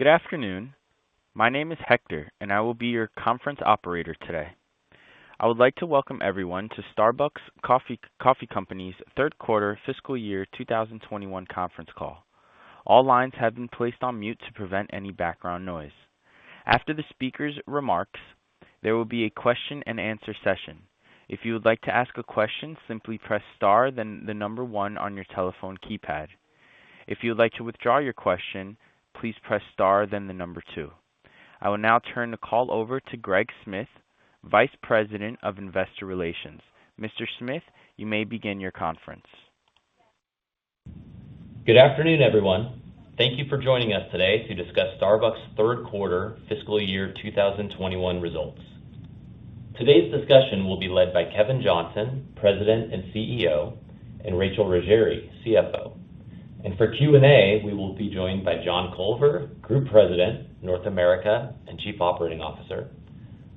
Good afternoon. My name is Hector, and I will be your conference operator today. I would like to welcome everyone to Starbucks Coffee Company's third quarter fiscal year 2021 conference call. I will now turn the call over to Greg Smith, Vice President of Investor Relations. Mr. Smith, you may begin your conference. Good afternoon, everyone. Thank you for joining us today to discuss Starbucks' third quarter fiscal year 2021 results. Today's discussion will be led by Kevin Johnson, President and CEO, and Rachel Ruggeri, CFO. For Q&A, we will be joined by John Culver, Group President, North America and Chief Operating Officer,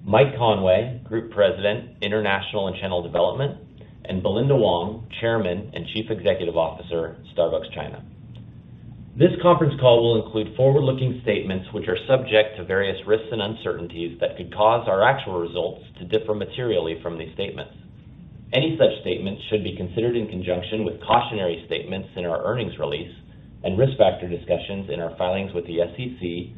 Mike Conway, Group President, International and Channel Development, and Belinda Wong, Chairman and Chief Executive Officer, Starbucks China. This conference call will include forward-looking statements which are subject to various risks and uncertainties that could cause our actual results to differ materially from these statements. Any such statements should be considered in conjunction with cautionary statements in our earnings release and risk factor discussions in our filings with the SEC,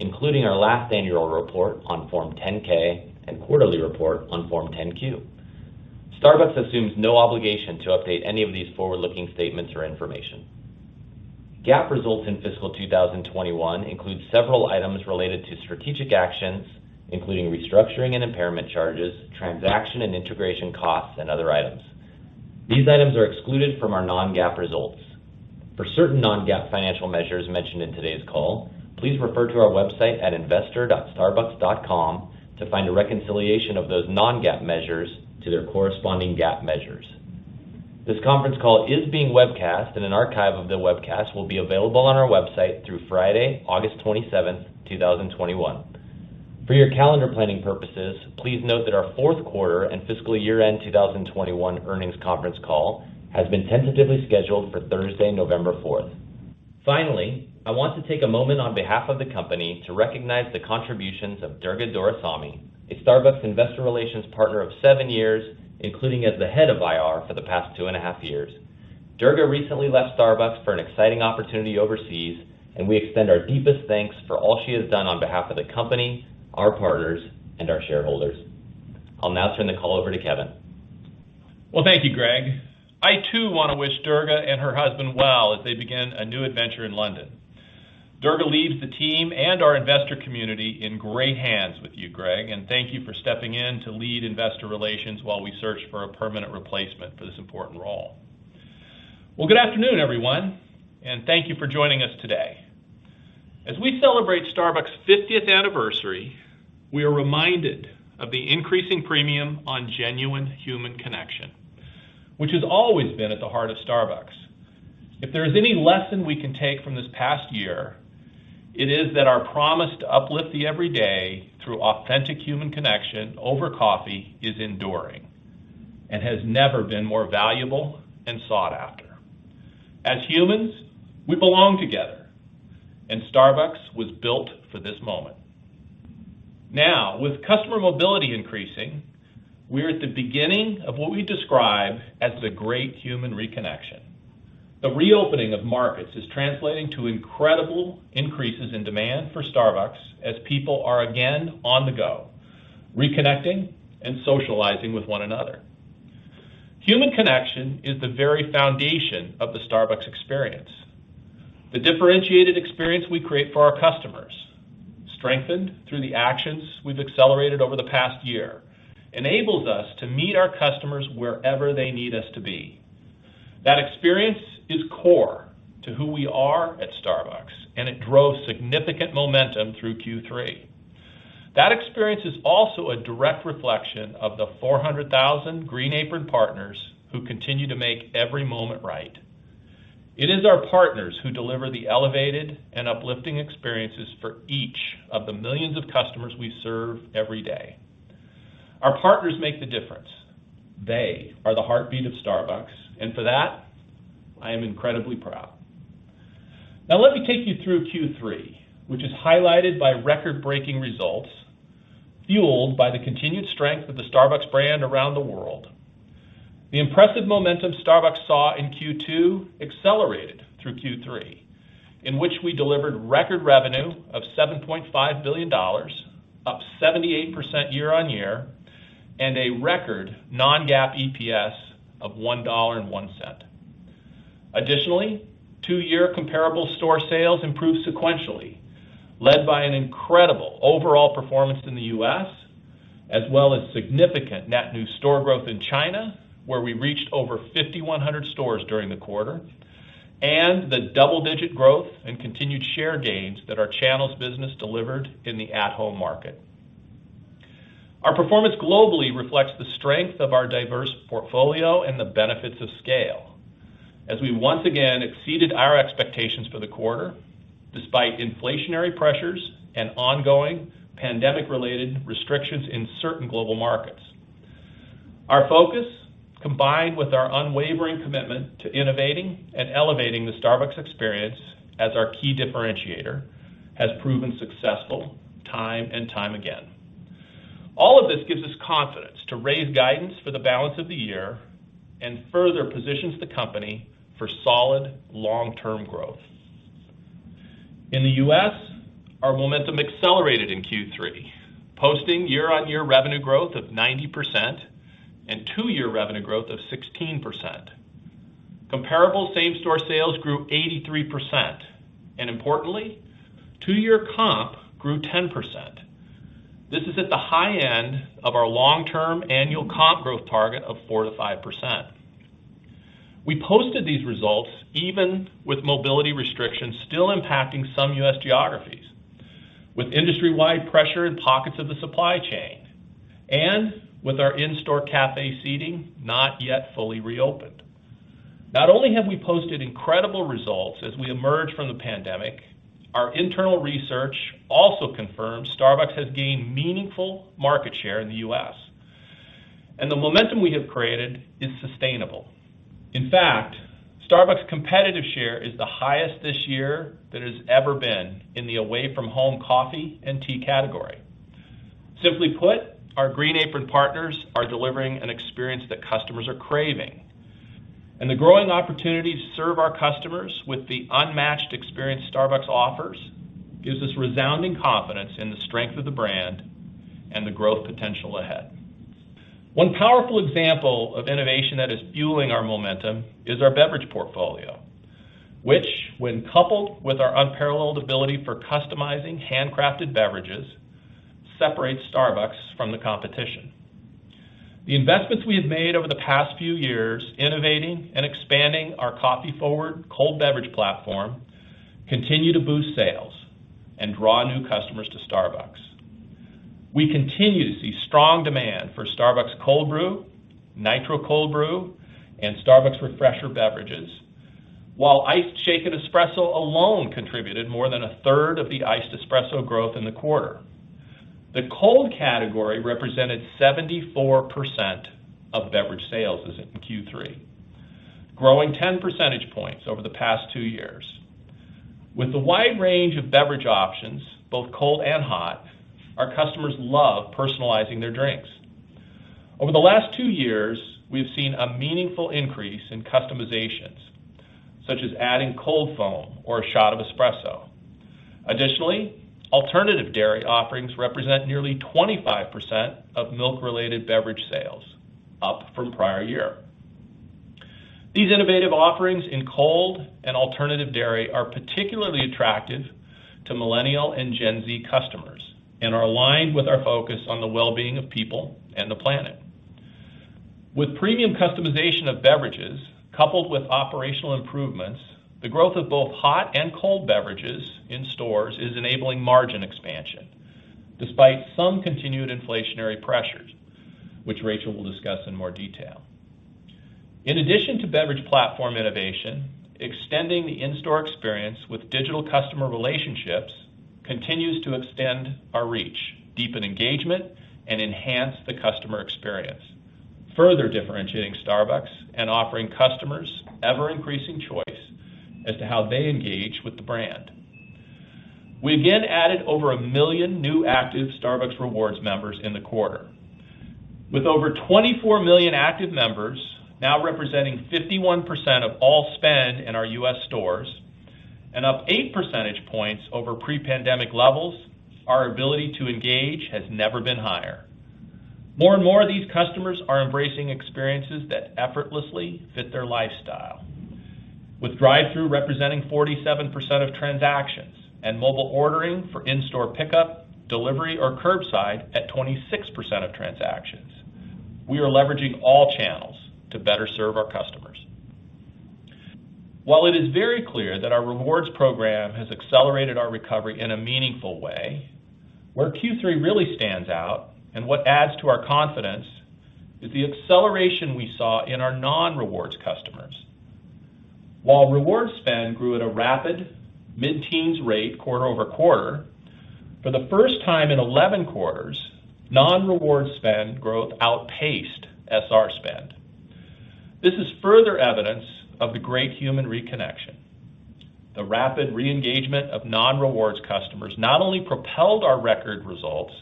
including our last annual report on Form 10-K and quarterly report on Form 10-Q. Starbucks assumes no obligation to update any of these forward-looking statements or information. GAAP results in fiscal 2021 include several items related to strategic actions, including restructuring and impairment charges, transaction and integration costs, and other items. These items are excluded from our non-GAAP results. For certain non-GAAP financial measures mentioned in today's call, please refer to our website at investor.starbucks.com to find a reconciliation of those non-GAAP measures to their corresponding GAAP measures. This conference call is being webcast, and an archive of the webcast will be available on our website through Friday, August 27th, 2021. For your calendar planning purposes, please note that our fourth quarter and fiscal year-end 2021 earnings conference call has been tentatively scheduled for Thursday, November 4th. Finally, I want to take a moment on behalf of the company to recognize the contributions of Durga Doraisamy, a Starbucks Investor Relations partner of seven years, including as the head of IR for the past two and a half years. Durga recently left Starbucks for an exciting opportunity overseas, and we extend our deepest thanks for all she has done on behalf of the company, our partners, and our shareholders. I'll now turn the call over to Kevin. Well, thank you, Greg. I, too, want to wish Durga and her husband well as they begin a new adventure in London. Durga leaves the team and our investor community in great hands with you, Greg, and thank you for stepping in to lead investor relations while we search for a permanent replacement for this important role. Well, good afternoon, everyone. Thank you for joining us today. As we celebrate Starbucks' 50th anniversary, we are reminded of the increasing premium on genuine human connection, which has always been at the heart of Starbucks. If there is any lesson we can take from this past year, it is that our promise to uplift the every day through authentic human connection over coffee is enduring and has never been more valuable and sought after. As humans, we belong together. Starbucks was built for this moment. With customer mobility increasing, we're at the beginning of what we describe as the great human reconnection. The reopening of markets is translating to incredible increases in demand for Starbucks as people are again on the go, reconnecting and socializing with one another. Human connection is the very foundation of the Starbucks experience. The differentiated experience we create for our customers, strengthened through the actions we've accelerated over the past year, enables us to meet our customers wherever they need us to be. That experience is core to who we are at Starbucks, and it drove significant momentum through Q3. That experience is also a direct reflection of the 400,000 green-aproned partners who continue to make every moment right. It is our partners who deliver the elevated and uplifting experiences for each of the millions of customers we serve every day. Our partners make the difference. They are the heartbeat of Starbucks. For that, I am incredibly proud. Let me take you through Q3, which is highlighted by record-breaking results fueled by the continued strength of the Starbucks brand around the world. The impressive momentum Starbucks saw in Q2 accelerated through Q3, in which we delivered record revenue of $7.5 billion, up 78% year-on-year, and a record non-GAAP EPS of $1.01. Additionally, two-year comparable store sales improved sequentially, led by an incredible overall performance in the U.S., as well as significant net new store growth in China, where we reached over 5,100 stores during the quarter, and the double-digit growth and continued share gains that our channels business delivered in the at-home market. Our performance globally reflects the strength of our diverse portfolio and the benefits of scale as we once again exceeded our expectations for the quarter despite inflationary pressures and ongoing pandemic-related restrictions in certain global markets. Our focus, combined with our unwavering commitment to innovating and elevating the Starbucks experience as our key differentiator, has proven successful time and time again. All of this gives us confidence to raise guidance for the balance of the year and further positions the company for solid long-term growth. In the U.S., our momentum accelerated in Q3, posting year-over-year revenue growth of 90% and two-year revenue growth of 16%. Comparable same-store sales grew 83%, and importantly, two-year comp grew 10%. This is at the high end of our long-term annual comp growth target of 4%-5%. We posted these results even with mobility restrictions still impacting some U.S. geographies, with industry-wide pressure in pockets of the supply chain, and with our in-store cafe seating not yet fully reopened. Not only have we posted incredible results as we emerge from the pandemic, our internal research also confirms Starbucks has gained meaningful market share in the U.S., and the momentum we have created is sustainable. In fact, Starbucks' competitive share is the highest this year than it has ever been in the away from home coffee and tea category. Simply put, our Green Apron partners are delivering an experience that customers are craving. The growing opportunity to serve our customers with the unmatched experience Starbucks offers gives us resounding confidence in the strength of the brand and the growth potential ahead. One powerful example of innovation that is fueling our momentum is our beverage portfolio, which, when coupled with our unparalleled ability for customizing handcrafted beverages, separates Starbucks from the competition. The investments we have made over the past few years innovating and expanding our coffee-forward cold beverage platform continue to boost sales and draw new customers to Starbucks. We continue to see strong demand for Starbucks Cold Brew, Nitro Cold Brew, and Starbucks Refreshers Beverages. While Iced Shaken Espresso alone contributed more than a third of the iced espresso growth in the quarter. The cold category represented 74% of beverage sales in Q3, growing 10 percentage points over the past two years. With a wide range of beverage options, both cold and hot, our customers love personalizing their drinks. Over the last two years, we have seen a meaningful increase in customizations, such as adding cold foam or a shot of espresso. Additionally, alternative dairy offerings represent nearly 25% of milk-related beverage sales, up from prior year. These innovative offerings in cold and alternative dairy are particularly attractive to Millennial and Gen Z customers and are aligned with our focus on the well-being of people and the planet. With premium customization of beverages, coupled with operational improvements, the growth of both hot and cold beverages in stores is enabling margin expansion, despite some continued inflationary pressures, which Rachel will discuss in more detail. In addition to beverage platform innovation, extending the in-store experience with digital customer relationships continues to extend our reach, deepen engagement, and enhance the customer experience, further differentiating Starbucks and offering customers ever-increasing choice as to how they engage with the brand. We again added over 1 million new active Starbucks Rewards members in the quarter. With over 24 million active members, now representing 51% of all spend in our U.S. stores, and up 8 percentage points over pre-pandemic levels, our ability to engage has never been higher. More and more of these customers are embracing experiences that effortlessly fit their lifestyle. With drive-thru representing 47% of transactions and mobile ordering for in-store pickup, delivery, or curbside at 26% of transactions, we are leveraging all channels to better serve our customers. While it is very clear that our rewards program has accelerated our recovery in a meaningful way, where Q3 really stands out, and what adds to our confidence, is the acceleration we saw in our non-rewards customers. While rewards spend grew at a rapid mid-teens rate quarter-over-quarter, for the first time in 11 quarters, non-rewards spend growth outpaced SR spend. This is further evidence of the great human reconnection. The rapid re-engagement of non-rewards customers not only propelled our record results,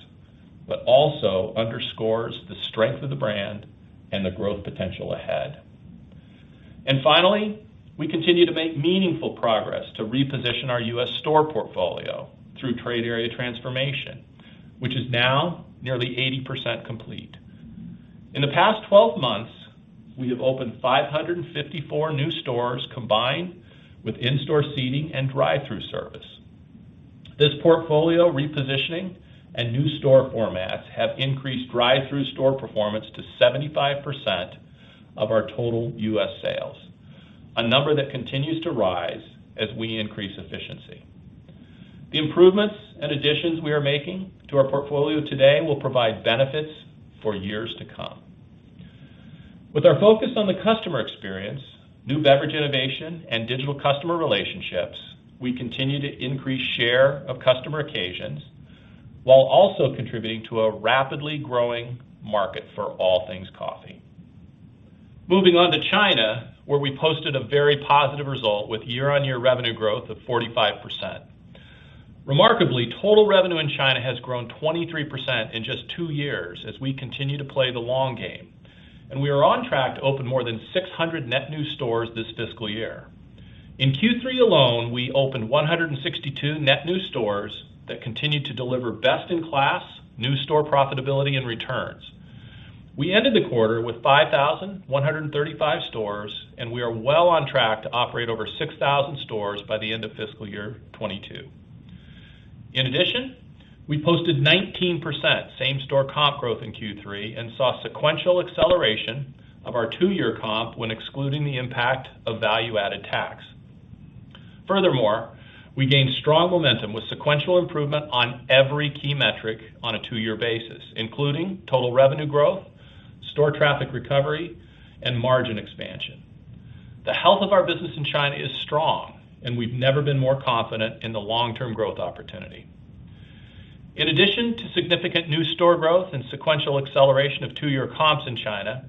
but also underscores the strength of the brand and the growth potential ahead. Finally, we continue to make meaningful progress to reposition our U.S. store portfolio through trade area transformation, which is now nearly 80% complete. In the past 12 months, we have opened 554 new stores combined with in-store seating and drive-thru service. This portfolio repositioning and new store formats have increased drive-thru store performance to 75% of our total U.S. sales, a number that continues to rise as we increase efficiency. The improvements and additions we are making to our portfolio today will provide benefits for years to come. With our focus on the customer experience, new beverage innovation, and digital customer relationships, we continue to increase share of customer occasions while also contributing to a rapidly growing market for all things coffee. Moving on to China, where we posted a very positive result with year-on-year revenue growth of 45%. Remarkably, total revenue in China has grown 23% in just two years as we continue to play the long game, and we are on track to open more than 600 net new stores this fiscal year. In Q3 alone, we opened 162 net new stores that continued to deliver best-in-class new store profitability and returns. We ended the quarter with 5,135 stores, and we are well on track to operate over 6,000 stores by the end of fiscal year 2022. In addition, we posted 19% same-store comp growth in Q3 and saw sequential acceleration of our two-year comp when excluding the impact of value-added tax. Furthermore, we gained strong momentum with sequential improvement on every key metric on a two-year basis, including total revenue growth, store traffic recovery, and margin expansion. The health of our business in China is strong, and we've never been more confident in the long-term growth opportunity. In addition to significant new store growth and sequential acceleration of two-year comps in China,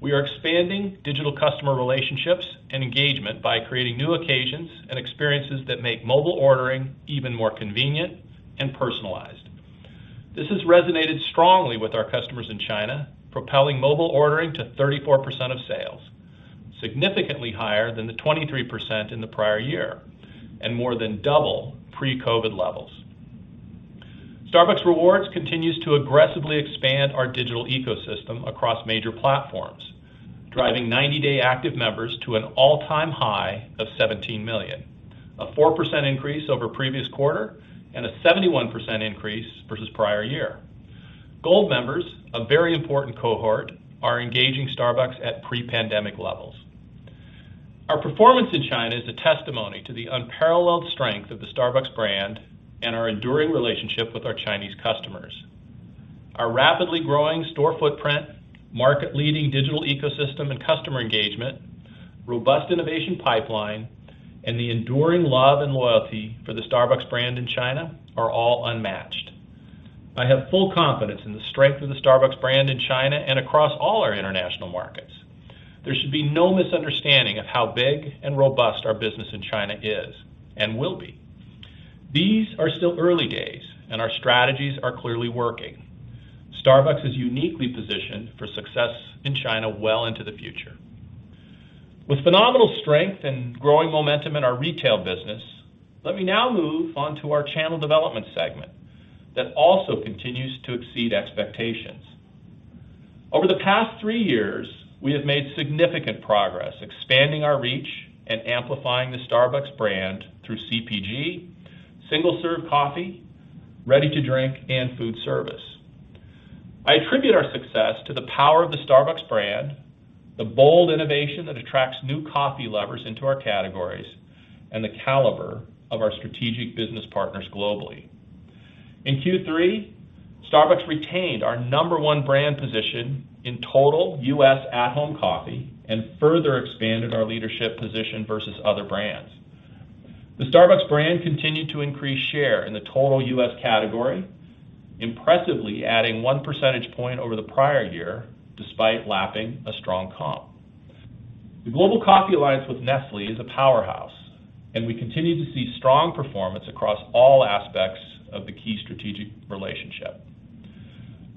we are expanding digital customer relationships and engagement by creating new occasions and experiences that make mobile ordering even more convenient and personalized. This has resonated strongly with our customers in China, propelling mobile ordering to 34% of sales, significantly higher than the 23% in the prior year, and more than double pre-COVID levels. Starbucks Rewards continues to aggressively expand our digital ecosystem across major platforms, driving 90-day active members to an all-time high of 17 million, a 4% increase over previous quarter and a 71% increase versus prior year. Gold members, a very important cohort, are engaging Starbucks at pre-pandemic levels. Our performance in China is a testimony to the unparalleled strength of the Starbucks brand and our enduring relationship with our Chinese customers. Our rapidly growing store footprint, market-leading digital ecosystem and customer engagement, robust innovation pipeline, and the enduring love and loyalty for the Starbucks brand in China are all unmatched. I have full confidence in the strength of the Starbucks brand in China and across all our international markets. There should be no misunderstanding of how big and robust our business in China is and will be. These are still early days, and our strategies are clearly working. Starbucks is uniquely positioned for success in China well into the future. With phenomenal strength and growing momentum in our retail business, let me now move on to our channel development segment that also continues to exceed expectations. Over the past three years, we have made significant progress expanding our reach and amplifying the Starbucks brand through CPG, single-serve coffee, ready-to-drink, and food service. I attribute our success to the power of the Starbucks brand, the bold innovation that attracts new coffee lovers into our categories, and the caliber of our strategic business partners globally. In Q3, Starbucks retained our number 1 brand position in total U.S. at-home coffee and further expanded our leadership position versus other brands. The Starbucks brand continued to increase share in the total U.S. category, impressively adding 1 percentage point over the prior year, despite lapping a strong comp. The Global Coffee Alliance with Nestlé is a powerhouse. We continue to see strong performance across all aspects of the key strategic relationship.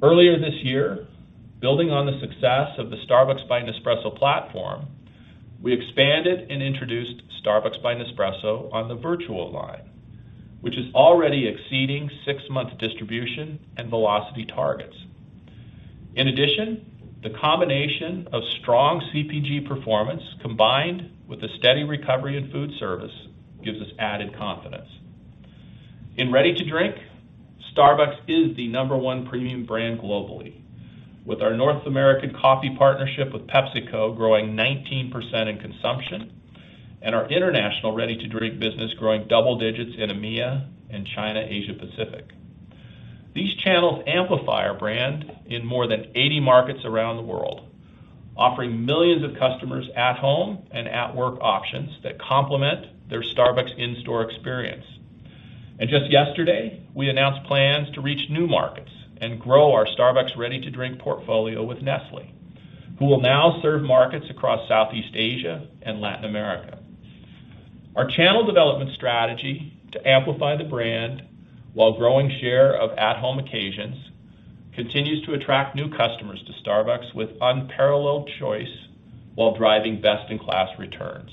Earlier this year, building on the success of the Starbucks by Nespresso platform, we expanded and introduced Starbucks by Nespresso on the Vertuo line, which is already exceeding six-month distribution and velocity targets. In addition, the combination of strong CPG performance combined with a steady recovery in food service gives us added confidence. In ready-to-drink, Starbucks is the number one premium brand globally. With our North American Coffee Partnership with PepsiCo growing 19% in consumption and our international ready-to-drink business growing double digits in EMEA and China/Asia-Pacific. These channels amplify our brand in more than 80 markets around the world, offering millions of customers at-home and at-work options that complement their Starbucks in-store experience. Just yesterday, we announced plans to reach new markets and grow our Starbucks ready-to-drink portfolio with Nestlé, who will now serve markets across Southeast Asia and Latin America. Our channel development strategy to amplify the brand while growing share of at-home occasions continues to attract new customers to Starbucks with unparalleled choice while driving best-in-class returns.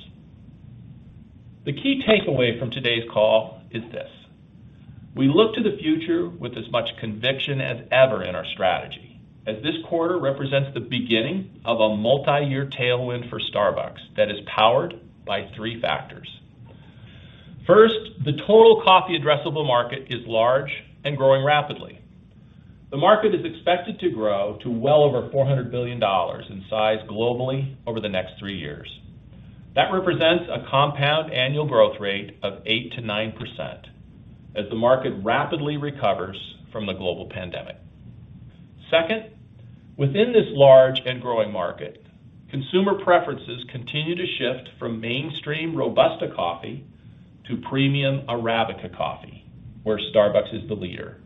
The key takeaway from today's call is this. We look to the future with as much conviction as ever in our strategy, as this quarter represents the beginning of a multi-year tailwind for Starbucks that is powered by three factors. First, the total coffee addressable market is large and growing rapidly. The market is expected to grow to well over $400 billion in size globally over the next three years. That represents a compound annual growth rate of 8%-9%, as the market rapidly recovers from the global pandemic. Second, within this large and growing market, consumer preferences continue to shift from mainstream Robusta coffee to premium Arabica coffee, where Starbucks is the leader.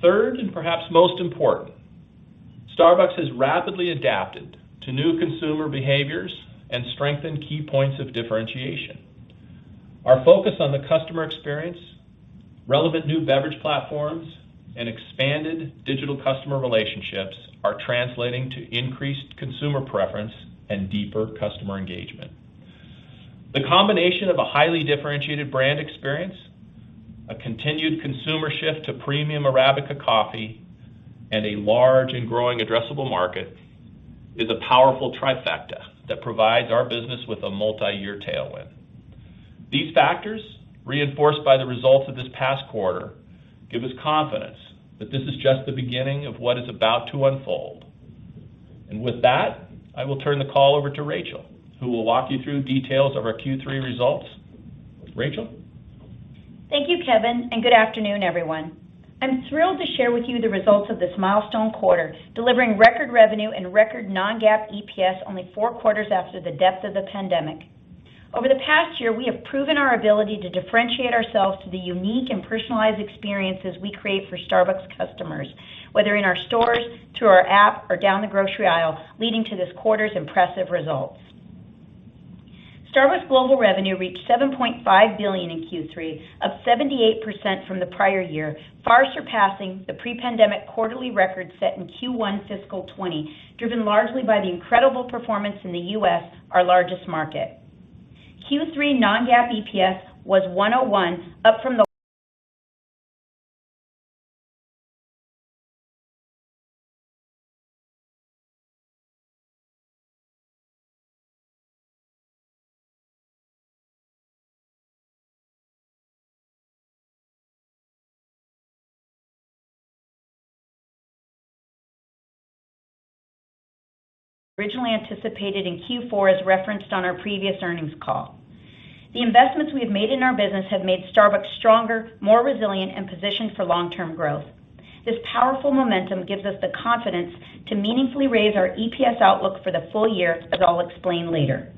Third, and perhaps most important, Starbucks has rapidly adapted to new consumer behaviors and strengthened key points of differentiation. Our focus on the customer experience, relevant new beverage platforms, and expanded digital customer relationships are translating to increased consumer preference and deeper customer engagement. The combination of a highly differentiated brand experience, a continued consumer shift to premium Arabica coffee, and a large and growing addressable market is a powerful trifecta that provides our business with a multiyear tailwind. These factors, reinforced by the results of this past quarter, give us confidence that this is just the beginning of what is about to unfold. With that, I will turn the call over to Rachel, who will walk you through details of our Q3 results. Rachel? Thank you, Kevin, good afternoon, everyone. I'm thrilled to share with you the results of this milestone quarter, delivering record revenue and record non-GAAP EPS only four quarters after the depth of the pandemic. Over the past year, we have proven our ability to differentiate ourselves through the unique and personalized experiences we create for Starbucks customers, whether in our stores, through our app, or down the grocery aisle, leading to this quarter's impressive results. Starbucks global revenue reached $7.5 billion in Q3, up 78% from the prior year, far surpassing the pre-pandemic quarterly record set in Q1 FY 2020, driven largely by the incredible performance in the U.S., our largest market. Q3 non-GAAP EPS was $1.01, up from originally anticipated in Q4, as referenced on our previous earnings call. The investments we have made in our business have made Starbucks stronger, more resilient, and positioned for long-term growth. This powerful momentum gives us the confidence to meaningfully raise our EPS outlook for the full year, as I'll explain later.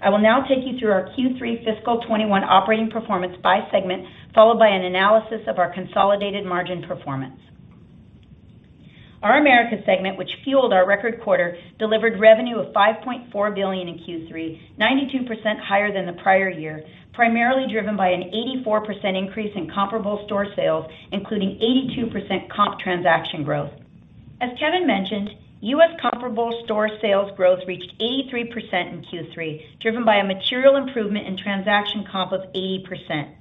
I will now take you through our Q3 fiscal 2021 operating performance by segment, followed by an analysis of our consolidated margin performance. Our Americas segment, which fueled our record quarter, delivered revenue of $5.4 billion in Q3, 92% higher than the prior year, primarily driven by an 84% increase in comparable store sales, including 82% comp transaction growth. As Kevin mentioned, U.S. comparable store sales growth reached 83% in Q3, driven by a material improvement in transaction comp of 80%.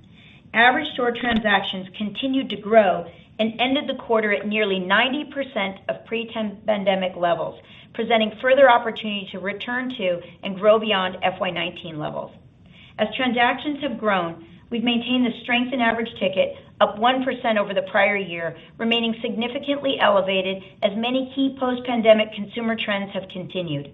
Average store transactions continued to grow and ended the quarter at nearly 90% of pre-pandemic levels, presenting further opportunity to return to and grow beyond FY 2019 levels. As transactions have grown, we've maintained the strength in average ticket, up 1% over the prior year, remaining significantly elevated as many key post-pandemic consumer trends have continued.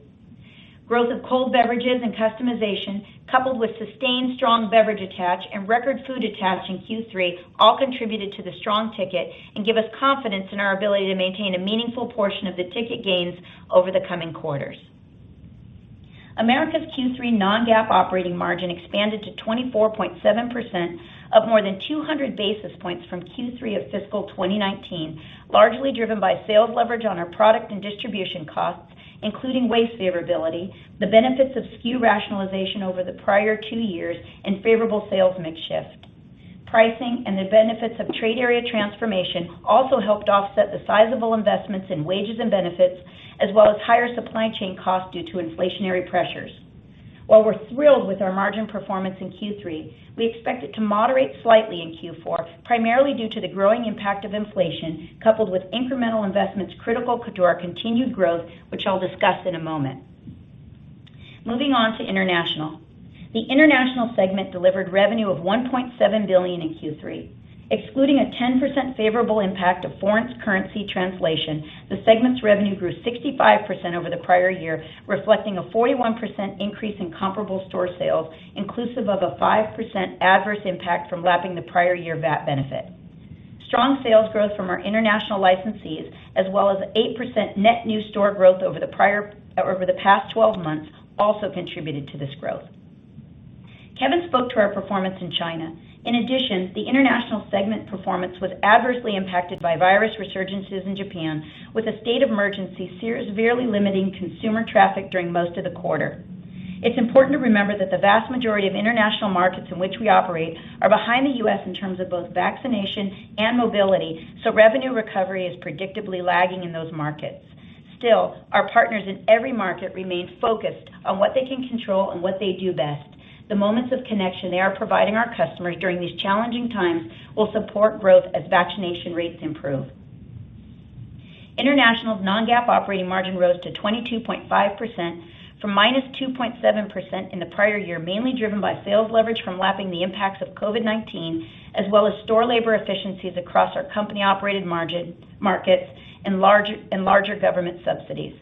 Growth of cold beverages and customization, coupled with sustained strong beverage attach and record food attach in Q3, all contributed to the strong ticket and give us confidence in our ability to maintain a meaningful portion of the ticket gains over the coming quarters. Americas Q3 non-GAAP operating margin expanded to 24.7%, up more than 200 basis points from Q3 of fiscal 2019, largely driven by sales leverage on our product and distribution costs, including waste favorability, the benefits of SKU rationalization over the prior two years, and favorable sales mix shift. Pricing and the benefits of trade area transformation also helped offset the sizable investments in wages and benefits, as well as higher supply chain costs due to inflationary pressures. While we're thrilled with our margin performance in Q3, we expect it to moderate slightly in Q4, primarily due to the growing impact of inflation, coupled with incremental investments critical to our continued growth, which I'll discuss in a moment. Moving on to International. The International segment delivered revenue of $1.7 billion in Q3. Excluding a 10% favorable impact of foreign currency translation, the segment's revenue grew 65% over the prior year, reflecting a 41% increase in comparable store sales, inclusive of a 5% adverse impact from lapping the prior year VAT benefit. Strong sales growth from our international licensees, as well as 8% net new store growth over the past 12 months also contributed to this growth. Kevin spoke to our performance in China. In addition, the international segment performance was adversely impacted by virus resurgences in Japan, with a state of emergency severely limiting consumer traffic during most of the quarter. It's important to remember that the vast majority of international markets in which we operate are behind the U.S. in terms of both vaccination and mobility, so revenue recovery is predictably lagging in those markets. Our partners in every market remain focused on what they can control and what they do best. The moments of connection they are providing our customers during these challenging times will support growth as vaccination rates improve. International's non-GAAP operating margin rose to 22.5%, from -2.7% in the prior year, mainly driven by sales leverage from lapping the impacts of COVID-19, as well as store labor efficiencies across our company-operated markets and larger government subsidies.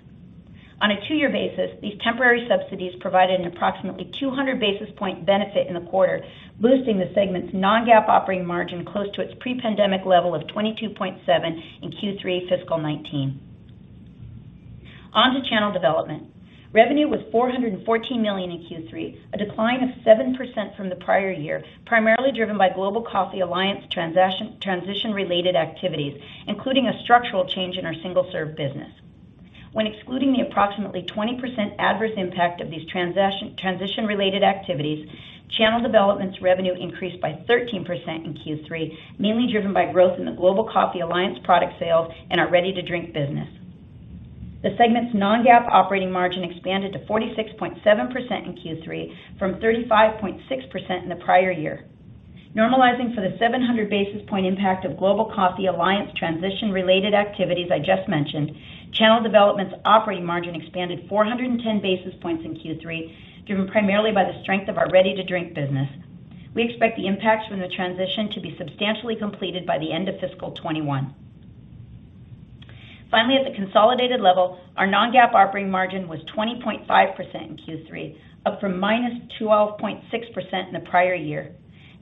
A two-year basis, these temporary subsidies provided an approximately 200 basis point benefit in the quarter, boosting the segment's non-GAAP operating margin close to its pre-pandemic level of 22.7% in Q3 FY19. To channel development. Revenue was $414 million in Q3, a decline of 7% from the prior year, primarily driven by Global Coffee Alliance transition-related activities, including a structural change in our single-serve business. Excluding the approximately 20% adverse impact of these transition-related activities, channel development's revenue increased by 13% in Q3, mainly driven by growth in the Global Coffee Alliance product sales and our ready-to-drink business. The segment's non-GAAP operating margin expanded to 46.7% in Q3 from 35.6% in the prior year. Normalizing for the 700 basis points impact of Global Coffee Alliance transition-related activities I just mentioned, channel development's operating margin expanded 410 basis points in Q3, driven primarily by the strength of our ready-to-drink business. We expect the impacts from the transition to be substantially completed by the end of fiscal 2021. Finally, at the consolidated level, our non-GAAP operating margin was 20.5% in Q3, up from -12.6% in the prior year.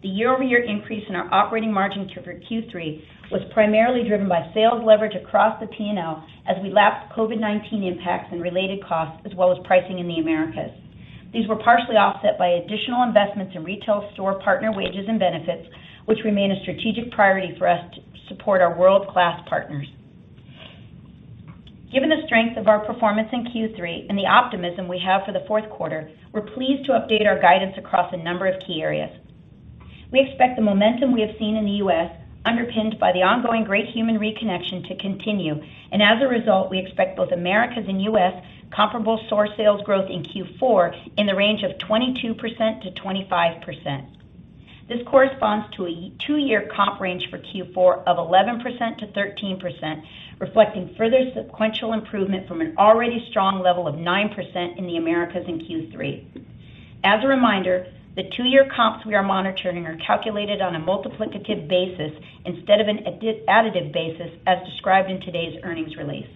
The year-over-year increase in our operating margin for Q3 was primarily driven by sales leverage across the P&L as we lapsed COVID-19 impacts and related costs, as well as pricing in the Americas. These were partially offset by additional investments in retail store partner wages and benefits, which remain a strategic priority for us to support our world-class partners. Given the strength of our performance in Q3 and the optimism we have for the fourth quarter, we're pleased to update our guidance across a number of key areas. We expect the momentum we have seen in the U.S., underpinned by the ongoing great human reconnection to continue, and as a result, we expect both Americas and U.S. comparable store sales growth in Q4 in the range of 22%-25%. This corresponds to a two-year comp range for Q4 of 11%-13%, reflecting further sequential improvement from an already strong level of 9% in the Americas in Q3. As a reminder, the two-year comps we are monitoring are calculated on a multiplicative basis instead of an additive basis, as described in today's earnings release.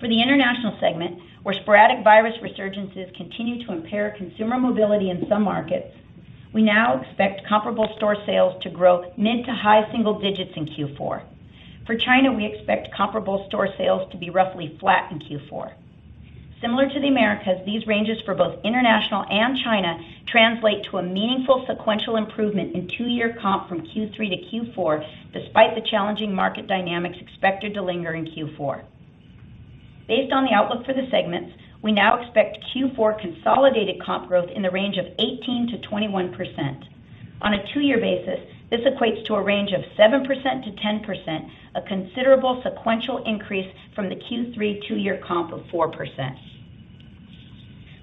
For the international segment, where sporadic virus resurgences continue to impair consumer mobility in some markets, we now expect comparable store sales to grow mid to high single digits in Q4. For China, we expect comparable store sales to be roughly flat in Q4. Similar to the Americas, these ranges for both international and China translate to a meaningful sequential improvement in two-year comp from Q3 to Q4, despite the challenging market dynamics expected to linger in Q4. Based on the outlook for the segments, we now expect Q4 consolidated comp growth in the range of 18%-21%. On a two-year basis, this equates to a range of 7%-10%, a considerable sequential increase from the Q3 two-year comp of 4%.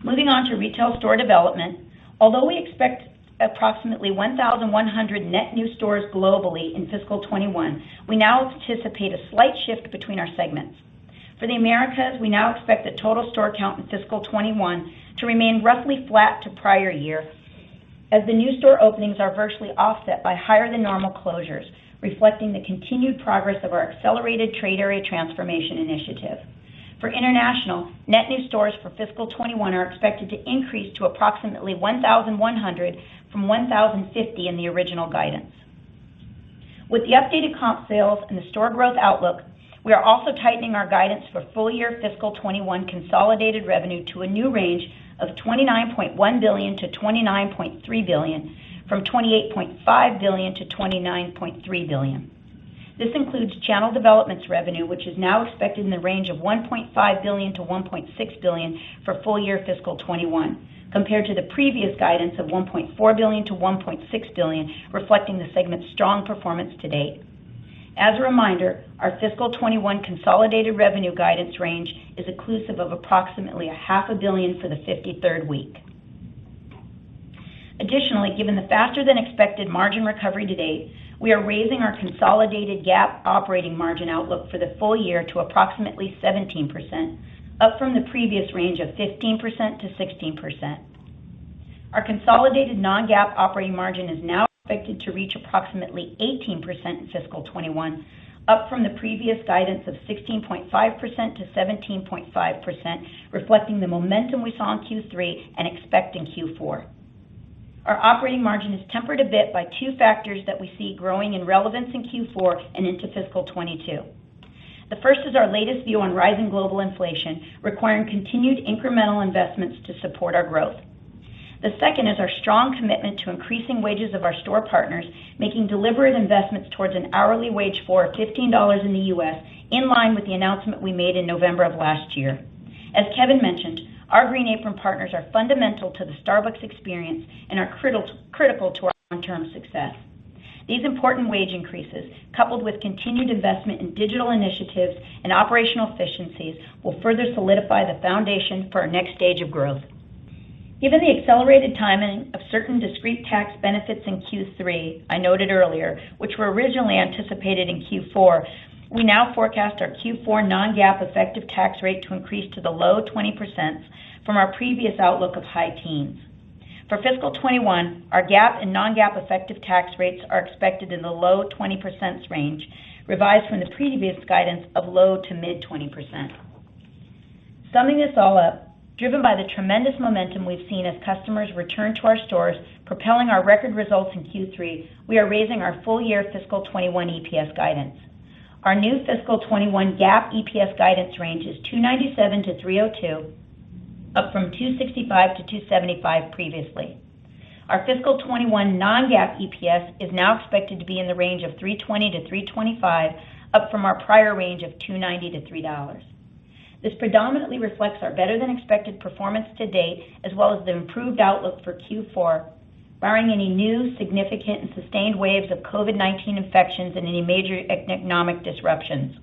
Moving on to retail store development. Although we expect approximately 1,100 net new stores globally in FY 2021, we now anticipate a slight shift between our segments. For the Americas, we now expect the total store count in fiscal 2021 to remain roughly flat to prior year, as the new store openings are virtually offset by higher than normal closures, reflecting the continued progress of our accelerated trade area transformation initiative. For international, net new stores for fiscal 2021 are expected to increase to approximately 1,100 from 1,050 in the original guidance. With the updated comp sales and the store growth outlook, we are also tightening our guidance for full year fiscal 2021 consolidated revenue to a new range of $29.1 billion-$29.3 billion, from $28.5 billion-$29.3 billion. This includes Channel Development's revenue, which is now expected in the range of $1.5 billion-$1.6 billion for full year fiscal 2021, compared to the previous guidance of $1.4 billion-$1.6 billion, reflecting the segment's strong performance to date. As a reminder, our FY 2021 consolidated revenue guidance range is inclusive of approximately a half a billion for the 53rd week. Given the faster than expected margin recovery to date, we are raising our consolidated GAAP operating margin outlook for the full year to approximately 17%, up from the previous range of 15%-16%. Our consolidated non-GAAP operating margin is now expected to reach approximately 18% in FY 2021, up from the previous guidance of 16.5%-17.5%, reflecting the momentum we saw in Q3 and expect in Q4. Our operating margin is tempered a bit by two factors that we see growing in relevance in Q4 and into FY 2022. The first is our latest view on rising global inflation, requiring continued incremental investments to support our growth. The second is our strong commitment to increasing wages of our store partners, making deliberate investments towards an hourly wage floor of $15 in the U.S., in line with the announcement we made in November of last year. As Kevin mentioned, our Green Apron partners are fundamental to the Starbucks experience and are critical to our long-term success. These important wage increases, coupled with continued investment in digital initiatives and operational efficiencies, will further solidify the foundation for our next stage of growth. Given the accelerated timing of certain discrete tax benefits in Q3 I noted earlier, which were originally anticipated in Q4, we now forecast our Q4 non-GAAP effective tax rate to increase to the low 20% from our previous outlook of high teens. For FY 2021, our GAAP and non-GAAP effective tax rates are expected in the low 20% range, revised from the previous guidance of low to mid 20%. Summing this all up, driven by the tremendous momentum we've seen as customers return to our stores, propelling our record results in Q3, we are raising our full year FY 2021 EPS guidance. Our new FY 2021 GAAP EPS guidance range is $2.97-$3.02, up from $2.65-$2.75 previously. Our FY 2021 non-GAAP EPS is now expected to be in the range of $3.20-$3.25, up from our prior range of $2.90-$3.00. This predominantly reflects our better than expected performance to date, as well as the improved outlook for Q4, barring any new significant and sustained waves of COVID-19 infections and any major economic disruptions.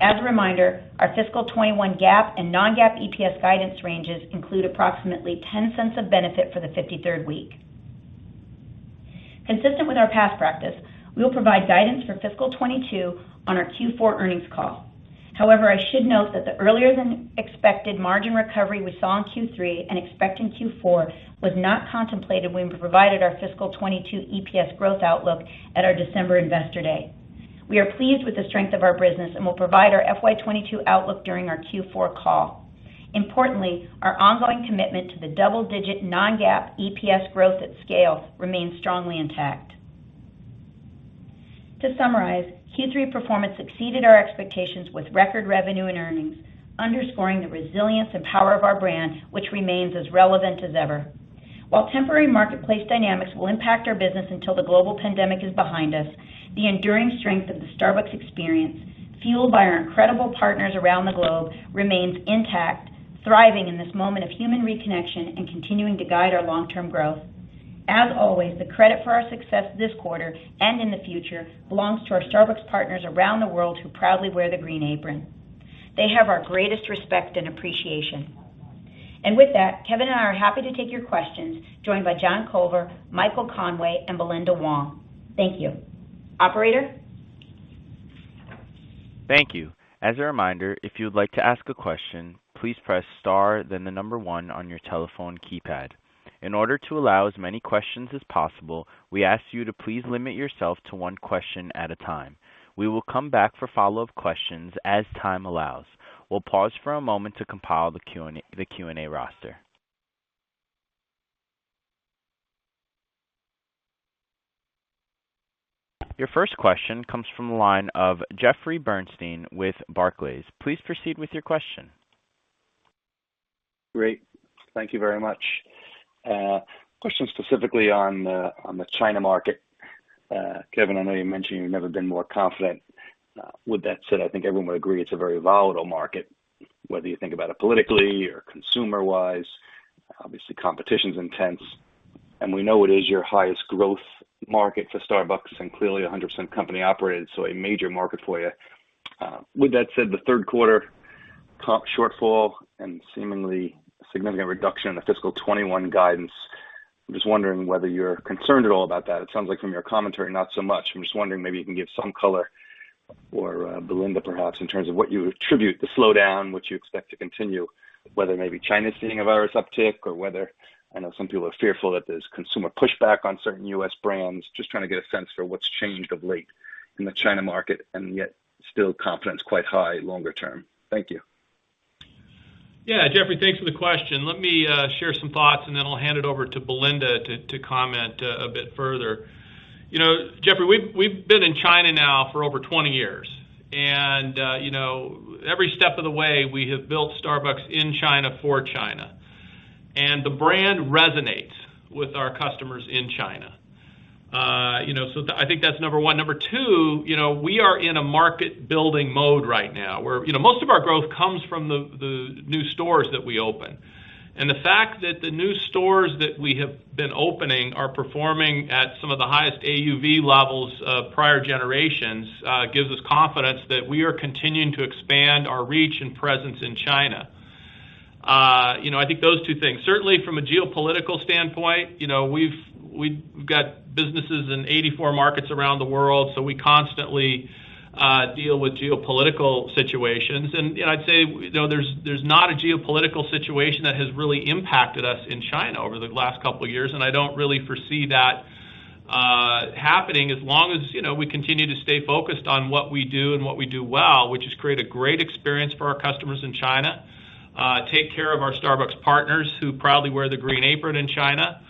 As a reminder, our fiscal 2021 GAAP and non-GAAP EPS guidance ranges include approximately $0.10 of benefit for the 53rd week. Consistent with our past practice, we will provide guidance for fiscal 2022 on our Q4 earnings call. However, I should note that the earlier than expected margin recovery we saw in Q3 and expect in Q4 was not contemplated when we provided our fiscal 2022 EPS growth outlook at our December investor day. We are pleased with the strength of our business and will provide our FY 2022 outlook during our Q4 call. Importantly, our ongoing commitment to the double-digit non-GAAP EPS growth at scale remains strongly intact. To summarize, Q3 performance exceeded our expectations with record revenue and earnings, underscoring the resilience and power of our brand, which remains as relevant as ever. While temporary marketplace dynamics will impact our business until the global pandemic is behind us, the enduring strength of the Starbucks experience, fueled by our incredible partners around the globe, remains intact, thriving in this moment of human reconnection and continuing to guide our long-term growth. As always, the credit for our success this quarter and in the future belongs to our Starbucks partners around the world who proudly wear the Green Apron. They have our greatest respect and appreciation. With that, Kevin and I are happy to take your questions, joined by John Culver, Michael Conway, and Belinda Wong. Thank you. Operator? Thank you. As a reminder, if you would like to ask a question, please press star then the number one on your telephone keypad. In order to allow as many questions as possible, we ask you to please limit yourself to one question at a time. We'll come back for follow-up questions as time allows. We'll pause for a moment to compile the Q&A roster. Your first question comes from the line of Jeffrey Bernstein with Barclays. Please proceed with your question. Great. Thank you very much. Question specifically on the China market. Kevin, I know you mentioned you've never been more confident. With that said, I think everyone would agree it's a very volatile market, whether you think about it politically or consumer wise. Obviously, competition's intense, and we know it is your highest growth market for Starbucks and clearly 100% company operated, so a major market for you. With that said, the third quarter comp shortfall and seemingly significant reduction in the fiscal 2021 guidance, I'm just wondering whether you're concerned at all about that. It sounds like from your commentary, not so much. I'm just wondering, maybe you can give some color, or Belinda perhaps, in terms of what you attribute the slowdown, which you expect to continue, whether maybe China's seeing a virus uptick or whether, I know some people are fearful that there's consumer pushback on certain U.S. brands. Just trying to get a sense for what's changed of late in the China market, yet still confidence quite high longer term. Thank you. Yeah, Jeffrey, thanks for the question. Let me share some thoughts and then I'll hand it over to Belinda to comment a bit further. Jeffrey, we've been in China now for over 20 years. Every step of the way, we have built Starbucks in China for China. The brand resonates with our customers in China. I think that's number one. Number two, we are in a market-building mode right now where most of our growth comes from the new stores that we open. The fact that the new stores that we have been opening are performing at some of the highest AUV levels of prior generations gives us confidence that we are continuing to expand our reach and presence in China. I think those two things. Certainly, from a geopolitical standpoint, we've got businesses in 84 markets around the world, so we constantly deal with geopolitical situations. I'd say there's not a geopolitical situation that has really impacted us in China over the last couple of years, and I don't really foresee that happening as long as we continue to stay focused on what we do and what we do well, which is create a great experience for our customers in China, take care of our Starbucks partners who proudly wear the Green Apron in China.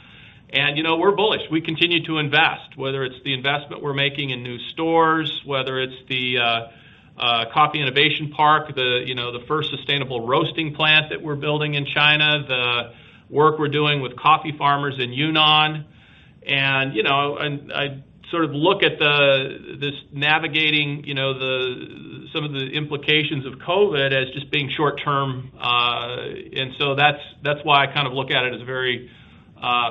We're bullish. We continue to invest, whether it's the investment we're making in new stores, whether it's the Coffee Innovation Park, the first sustainable roasting plant that we're building in China, the work we're doing with coffee farmers in Yunnan. I sort of look at this navigating some of the implications of COVID-19 as just being short-term. That's why I kind of look at it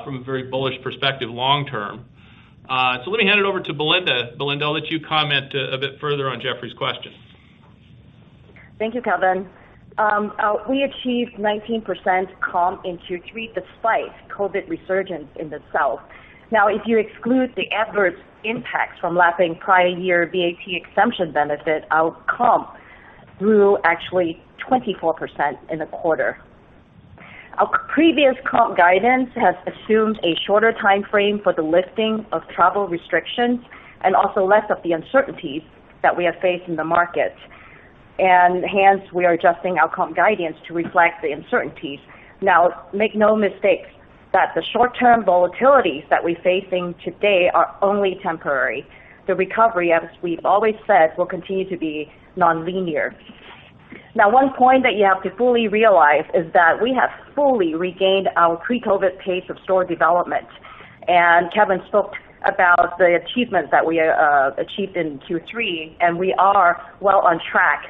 from a very bullish perspective long-term. Let me hand it over to Belinda. Belinda, I'll let you comment a bit further on Jeffrey's question. Thank you, Kevin. We achieved 19% comp in Q3 despite COVID resurgence in the South. If you exclude the adverse impacts from lapping prior year VAT exemption benefit, our comp grew actually 24% in the quarter. Our previous comp guidance has assumed a shorter timeframe for the lifting of travel restrictions and also less of the uncertainties that we have faced in the market. Hence, we are adjusting our comp guidance to reflect the uncertainties. Now, make no mistakes that the short-term volatilities that we're facing today are only temporary. The recovery, as we've always said, will continue to be non-linear. Now, one point that you have to fully realize is that we have fully regained our pre-COVID-19 pace of store development. Kevin spoke about the achievement that we achieved in Q3, and we are well on track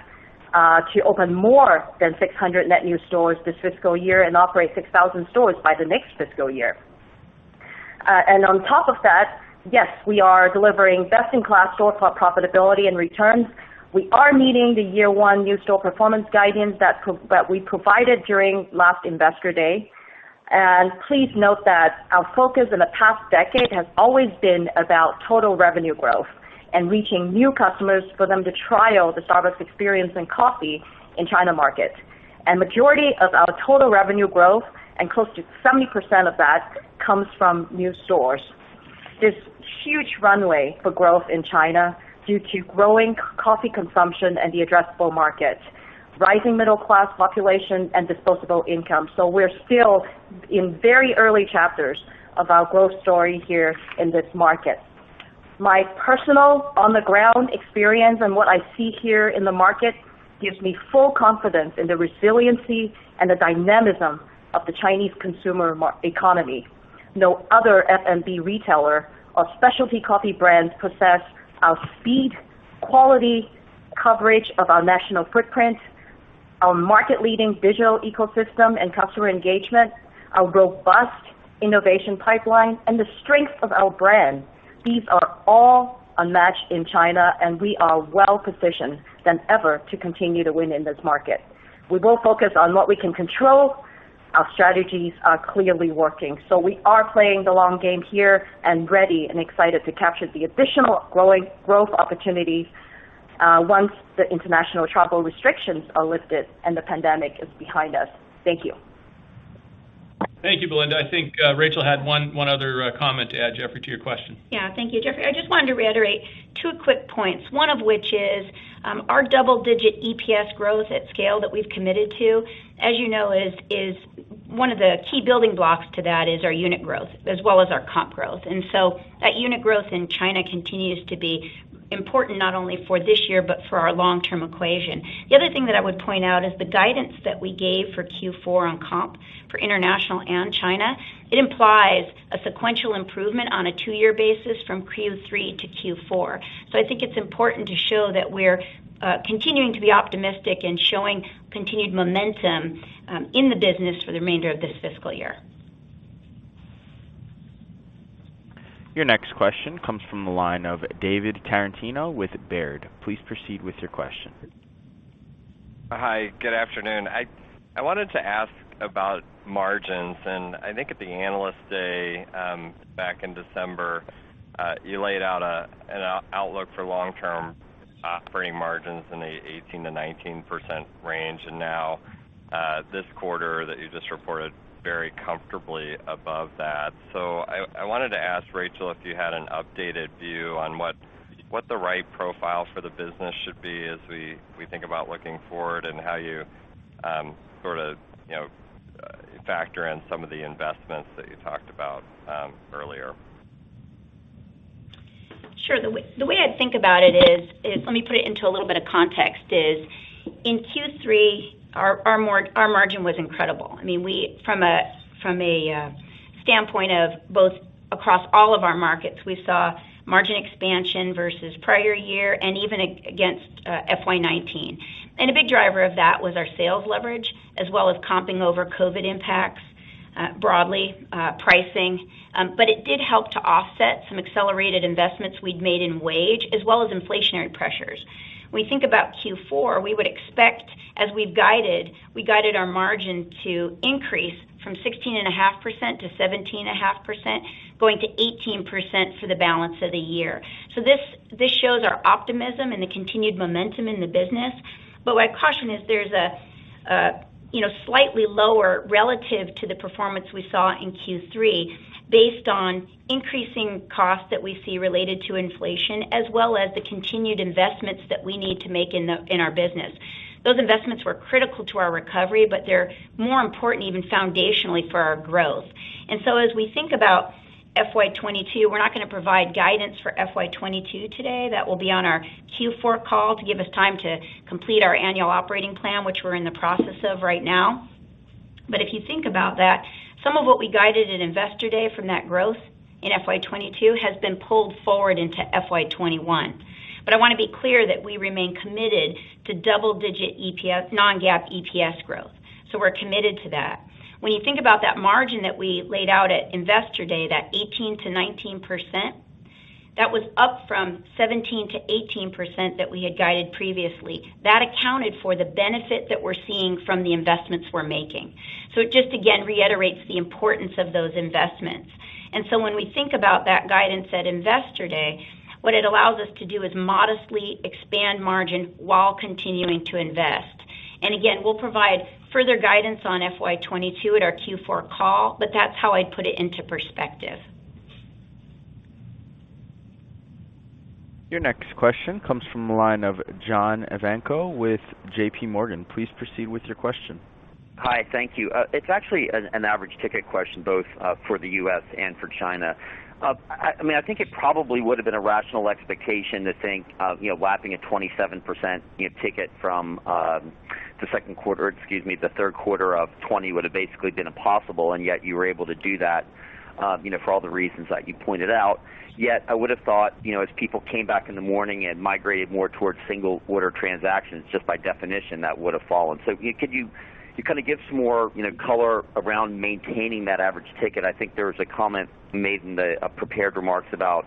to open more than 600 net new stores this fiscal year and operate 6,000 stores by the next fiscal year. On top of that, yes, we are delivering best-in-class store profitability and returns. We are meeting the year one new store performance guidance that we provided during last Investor Day. Please note that our focus in the past decade has always been about total revenue growth and reaching new customers for them to trial the Starbucks Experience and coffee in China market. Majority of our total revenue growth and close to 70% of that comes from new stores. There's huge runway for growth in China due to growing coffee consumption and the addressable market, rising middle class population, and disposable income. We're still in very early chapters of our growth story here in this market. My personal on-the-ground experience and what I see here in the market gives me full confidence in the resiliency and the dynamism of the Chinese consumer economy. No other F&B retailer or specialty coffee brands possess our speed, quality, coverage of our national footprint, our market-leading digital ecosystem and customer engagement, our robust innovation pipeline, and the strength of our brand. These are all unmatched in China, and we are well-positioned than ever to continue to win in this market. We will focus on what we can control. Our strategies are clearly working, so we are playing the long game here and ready and excited to capture the additional growth opportunities once the international travel restrictions are lifted and the pandemic is behind us. Thank you. Thank you, Belinda. I think Rachel had one other comment to add, Jeffrey, to your question. Thank you, Jeffrey. I just wanted to reiterate two quick points. One of which is, our double-digit EPS growth at scale that we've committed to, as you know, one of the key building blocks to that is our unit growth as well as our comp growth. That unit growth in China continues to be important, not only for this year, but for our long-term equation. The other thing that I would point out is the guidance that we gave for Q4 on comp for international and China. It implies a sequential improvement on a two-year basis from Q3 to Q4. I think it's important to show that we're continuing to be optimistic and showing continued momentum in the business for the remainder of this fiscal year. Your next question comes from the line of David Tarantino with Baird. Please proceed with your question. Hi, good afternoon. I wanted to ask about margins. I think at the Analyst Day, back in December, you laid out an outlook for long-term operating margins in the 18%-19% range. Now, this quarter that you just reported very comfortably above that. I wanted to ask Rachel if you had an updated view on what the right profile for the business should be as we think about looking forward and how you sort of factor in some of the investments that you talked about earlier. Sure. The way I think about it is, let me put it into a little bit of context, is in Q3, our margin was incredible. From a standpoint of both across all of our markets, we saw margin expansion versus prior year and even against FY 2019. A big driver of that was our sales leverage, as well as comping over COVID impacts, broadly, pricing. It did help to offset some accelerated investments we'd made in wage, as well as inflationary pressures. When we think about Q4, we would expect, as we've guided, we guided our margin to increase from 16.5%-17.5%, going to 18% for the balance of the year. This shows our optimism and the continued momentum in the business. My caution is there's a slightly lower relative to the performance we saw in Q3 based on increasing costs that we see related to inflation, as well as the continued investments that we need to make in our business. Those investments were critical to our recovery, but they're more important, even foundationally, for our growth. As we think about FY 2022, we're not going to provide guidance for FY 2022 today. That will be on our Q4 call to give us time to complete our annual operating plan, which we're in the process of right now. If you think about that, some of what we guided at Investor Day from that growth in FY 2022 has been pulled forward into FY 2021. I want to be clear that we remain committed to double-digit non-GAAP EPS growth. We're committed to that. When you think about that margin that we laid out at Investor Day, that 18%-19%, that was up from 17%-18% that we had guided previously. That accounted for the benefit that we're seeing from the investments we're making. It just, again, reiterates the importance of those investments. When we think about that guidance at Investor Day, what it allows us to do is modestly expand margin while continuing to invest. Again, we'll provide further guidance on FY 2022 at our Q4 call, that's how I'd put it into perspective. Your next question comes from the line of John Ivankoe with JPMorgan. Please proceed with your question. Hi, thank you. It's actually an average ticket question, both for the U.S. and for China. I think it probably would've been a rational expectation to think lapping at 27% ticket from the second quarter, excuse me, the 3rd quarter of 2020 would've basically been impossible, and yet you were able to do that for all the reasons that you pointed out. I would've thought, as people came back in the morning and migrated more towards single order transactions, just by definition, that would've fallen. Could you give some more color around maintaining that average ticket? I think there was a comment made in the prepared remarks about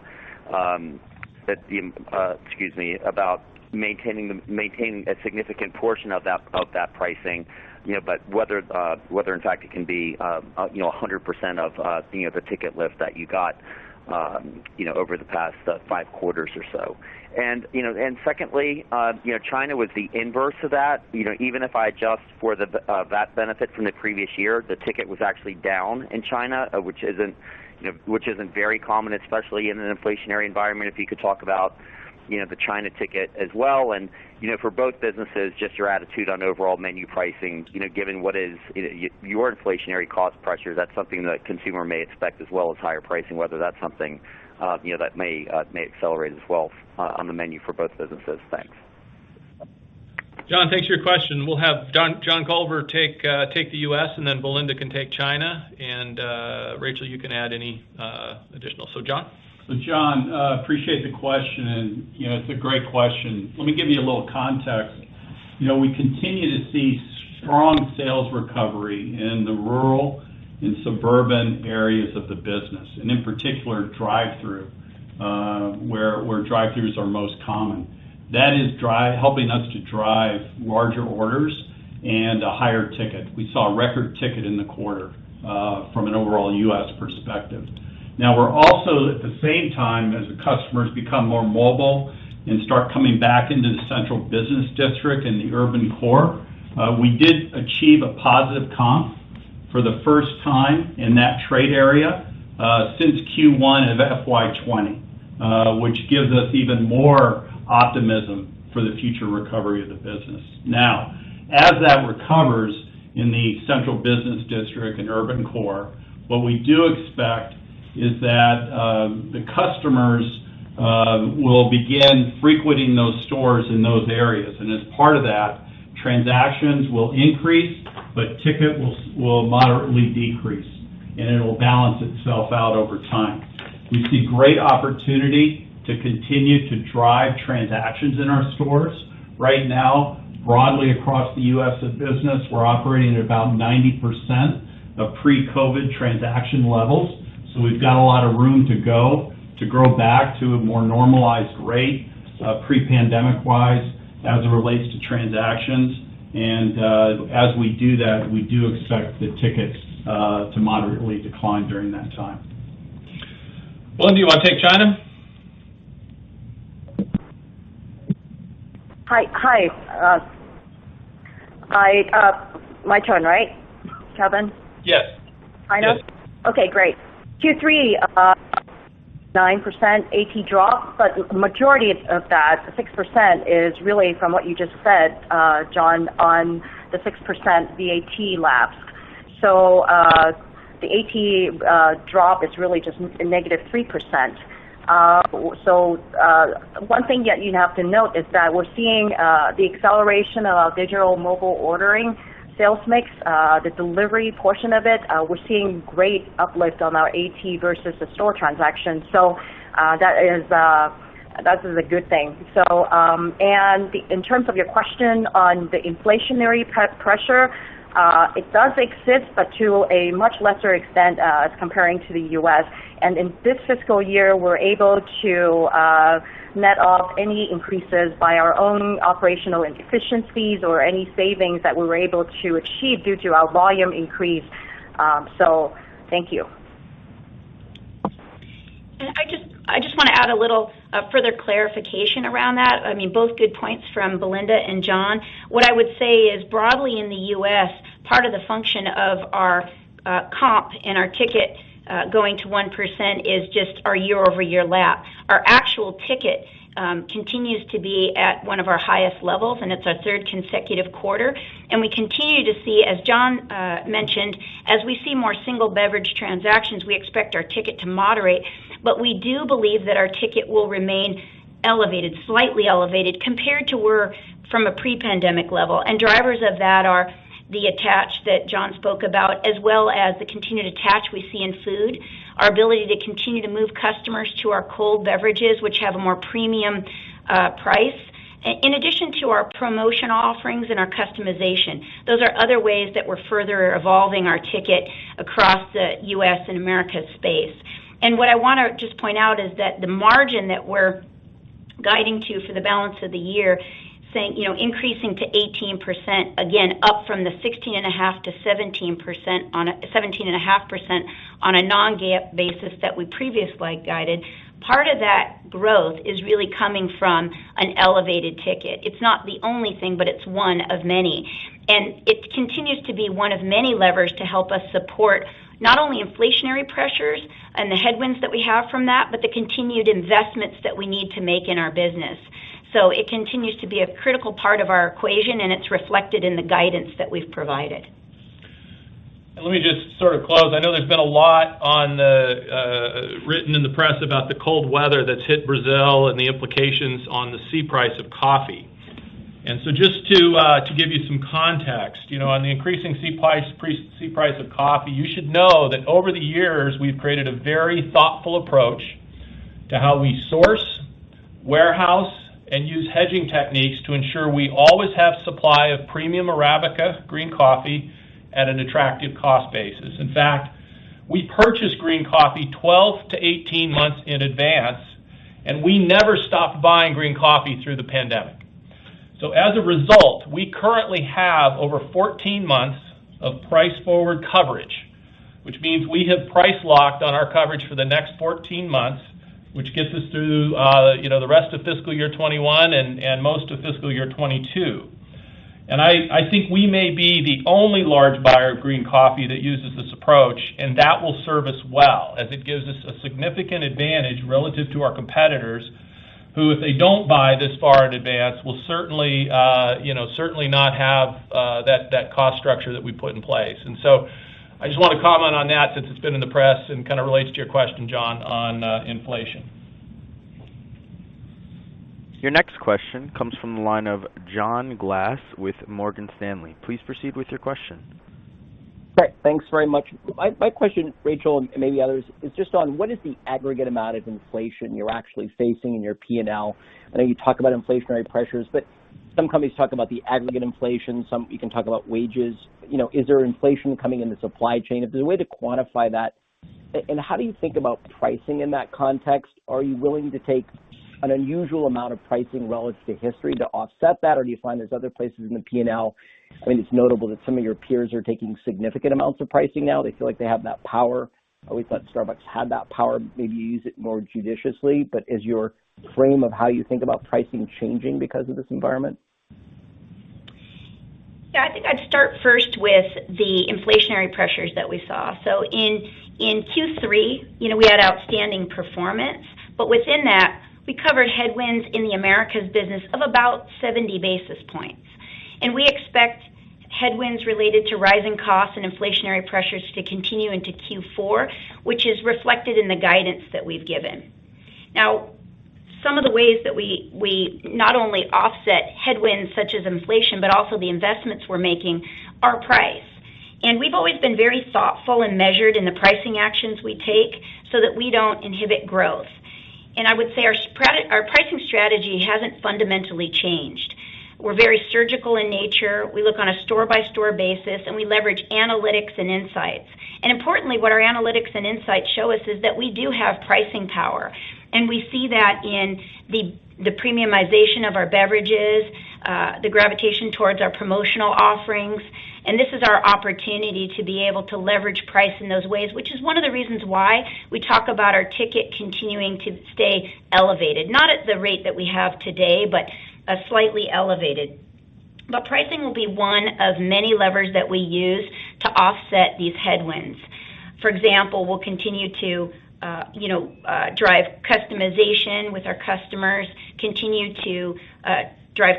maintaining a significant portion of that pricing. Whether, in fact, it can be 100% of the ticket lift that you got over the past five quarters or so. Secondly, China was the inverse of that. Even if I adjust for the VAT benefit from the previous year, the ticket was actually down in China, which isn't very common, especially in an inflationary environment. If you could talk about the China ticket as well. For both businesses, just your attitude on overall menu pricing. Given what is your inflationary cost pressure, that's something that consumer may expect as well as higher pricing, whether that's something that may accelerate as well on the menu for both businesses. Thanks. John, thanks for your question. We'll have John Culver take the U.S., and then Belinda can take China. Rachel, you can add any additional. John. John, appreciate the question, and it's a great question. Let me give you a little context. We continue to see strong sales recovery in the rural and suburban areas of the business, and in particular, drive-thru, where drive-thrus are most common. That is helping us to drive larger orders and a higher ticket. We saw a record ticket in the quarter from an overall U.S. perspective. We're also at the same time as the customers become more mobile and start coming back into the central business district and the urban core. We did achieve a positive comp for the first time in that trade area since Q1 of FY 2020, which gives us even more optimism for the future recovery of the business. As that recovers in the central business district and urban core, what we do expect is that the customers will begin frequenting those stores in those areas. As part of that, transactions will increase, but ticket will moderately decrease, and it'll balance itself out over time. We see great opportunity to continue to drive transactions in our stores. Right now, broadly across the U.S. of business, we're operating at about 90% of pre-COVID transaction levels. We've got a lot of room to go to grow back to a more normalized rate, pre-pandemic-wise, as it relates to transactions. As we do that, we do expect the tickets to moderately decline during that time. Belinda, you want to take China? Hi. My turn, right, Kevin? Yes. China? Yes. Okay, great. Q3, 9% AT drop. The majority of that, the 6%, is really from what you just said, John, on the 6% VAT lapse. The AT drop is really just a negative 3%. One thing yet you have to note is that we're seeing the acceleration of our digital mobile ordering sales mix. The delivery portion of it, we're seeing great uplift on our AT versus the store transactions. That is a good thing. In terms of your question on the inflationary pressure, it does exist, but to a much lesser extent as comparing to the U.S. In this fiscal year, we're able to net off any increases by our own operational inefficiencies or any savings that we were able to achieve due to our volume increase. Thank you. I just want to add a little further clarification around that. Both good points from Belinda and John. What I would say is broadly in the U.S., part of the function of our comp and our ticket going to 1% is just our year-over-year lap. Our actual ticket continues to be at one of our highest levels, and it's our third consecutive quarter. We continue to see, as John mentioned, as we see more single beverage transactions, we expect our ticket to moderate. We do believe that our ticket will remain slightly elevated compared to where from a pre-pandemic level. Drivers of that are the attach that John spoke about, as well as the continued attach we see in food. Our ability to continue to move customers to our cold beverages, which have a more premium price. In addition to our promotional offerings and our customization. Those are other ways that we're further evolving our ticket across the U.S. and Americas space. What I want to just point out is that the margin that we're guiding to for the balance of the year, saying increasing to 18%, again, up from the 16.5%-17.5% on a non-GAAP basis that we previously guided. Part of that growth is really coming from an elevated ticket. It's not the only thing, but it's one of many, and it continues to be one of many levers to help us support not only inflationary pressures and the headwinds that we have from that, but the continued investments that we need to make in our business. It continues to be a critical part of our equation, and it's reflected in the guidance that we've provided. Let me just close. I know there's been a lot written in the press about the cold weather that's hit Brazil and the implications on the C price of coffee. Just to give you some context, on the increasing C price of coffee, you should know that over the years, we've created a very thoughtful approach to how we source, warehouse, and use hedging techniques to ensure we always have supply of premium Arabica green coffee at an attractive cost basis. In fact, we purchase green coffee 12-18 months in advance, and we never stop buying green coffee through the pandemic. As a result, we currently have over 14 months of price forward coverage. Which means we have price locked on our coverage for the next 14 months, which gets us through the rest of fiscal year 2021 and most of fiscal year 2022. I think we may be the only large buyer of green coffee that uses this approach, and that will serve us well as it gives us a significant advantage relative to our competitors, who, if they don't buy this far in advance, will certainly not have that cost structure that we put in place. I just want to comment on that since it's been in the press and kind of relates to your question, John, on inflation. Your next question comes from the line of John Glass with Morgan Stanley. Please proceed with your question. Great. Thanks very much. My question, Rachel, and maybe others, is just on what is the aggregate amount of inflation you're actually facing in your P&L? I know you talk about inflationary pressures, but some companies talk about the aggregate inflation, some you can talk about wages. Is there inflation coming in the supply chain? If there's a way to quantify that, and how do you think about pricing in that context? Are you willing to take an unusual amount of pricing relative to history to offset that? Or do you find there's other places in the P&L? I mean, it's notable that some of your peers are taking significant amounts of pricing now. They feel like they have that power. I always thought Starbucks had that power, maybe you use it more judiciously. Is your frame of how you think about pricing changing because of this environment? Yeah, I think I'd start first with the inflationary pressures that we saw. In Q3, we had outstanding performance, but within that, we covered headwinds in the Americas business of about 70 basis points. We expect headwinds related to rising costs and inflationary pressures to continue into Q4, which is reflected in the guidance that we've given. Some of the ways that we not only offset headwinds such as inflation, but also the investments we're making, are price. We've always been very thoughtful and measured in the pricing actions we take so that we don't inhibit growth. I would say our pricing strategy hasn't fundamentally changed. We're very surgical in nature. We look on a store-by-store basis, and we leverage analytics and insights. Importantly, what our analytics and insights show us is that we do have pricing power, and we see that in the premiumization of our beverages, the gravitation towards our promotional offerings. This is our opportunity to be able to leverage price in those ways, which is one of the reasons why we talk about our ticket continuing to stay elevated, not at the rate that we have today, but slightly elevated. Pricing will be one of many levers that we use to offset these headwinds. For example, we'll continue to drive customization with our customers, continue to drive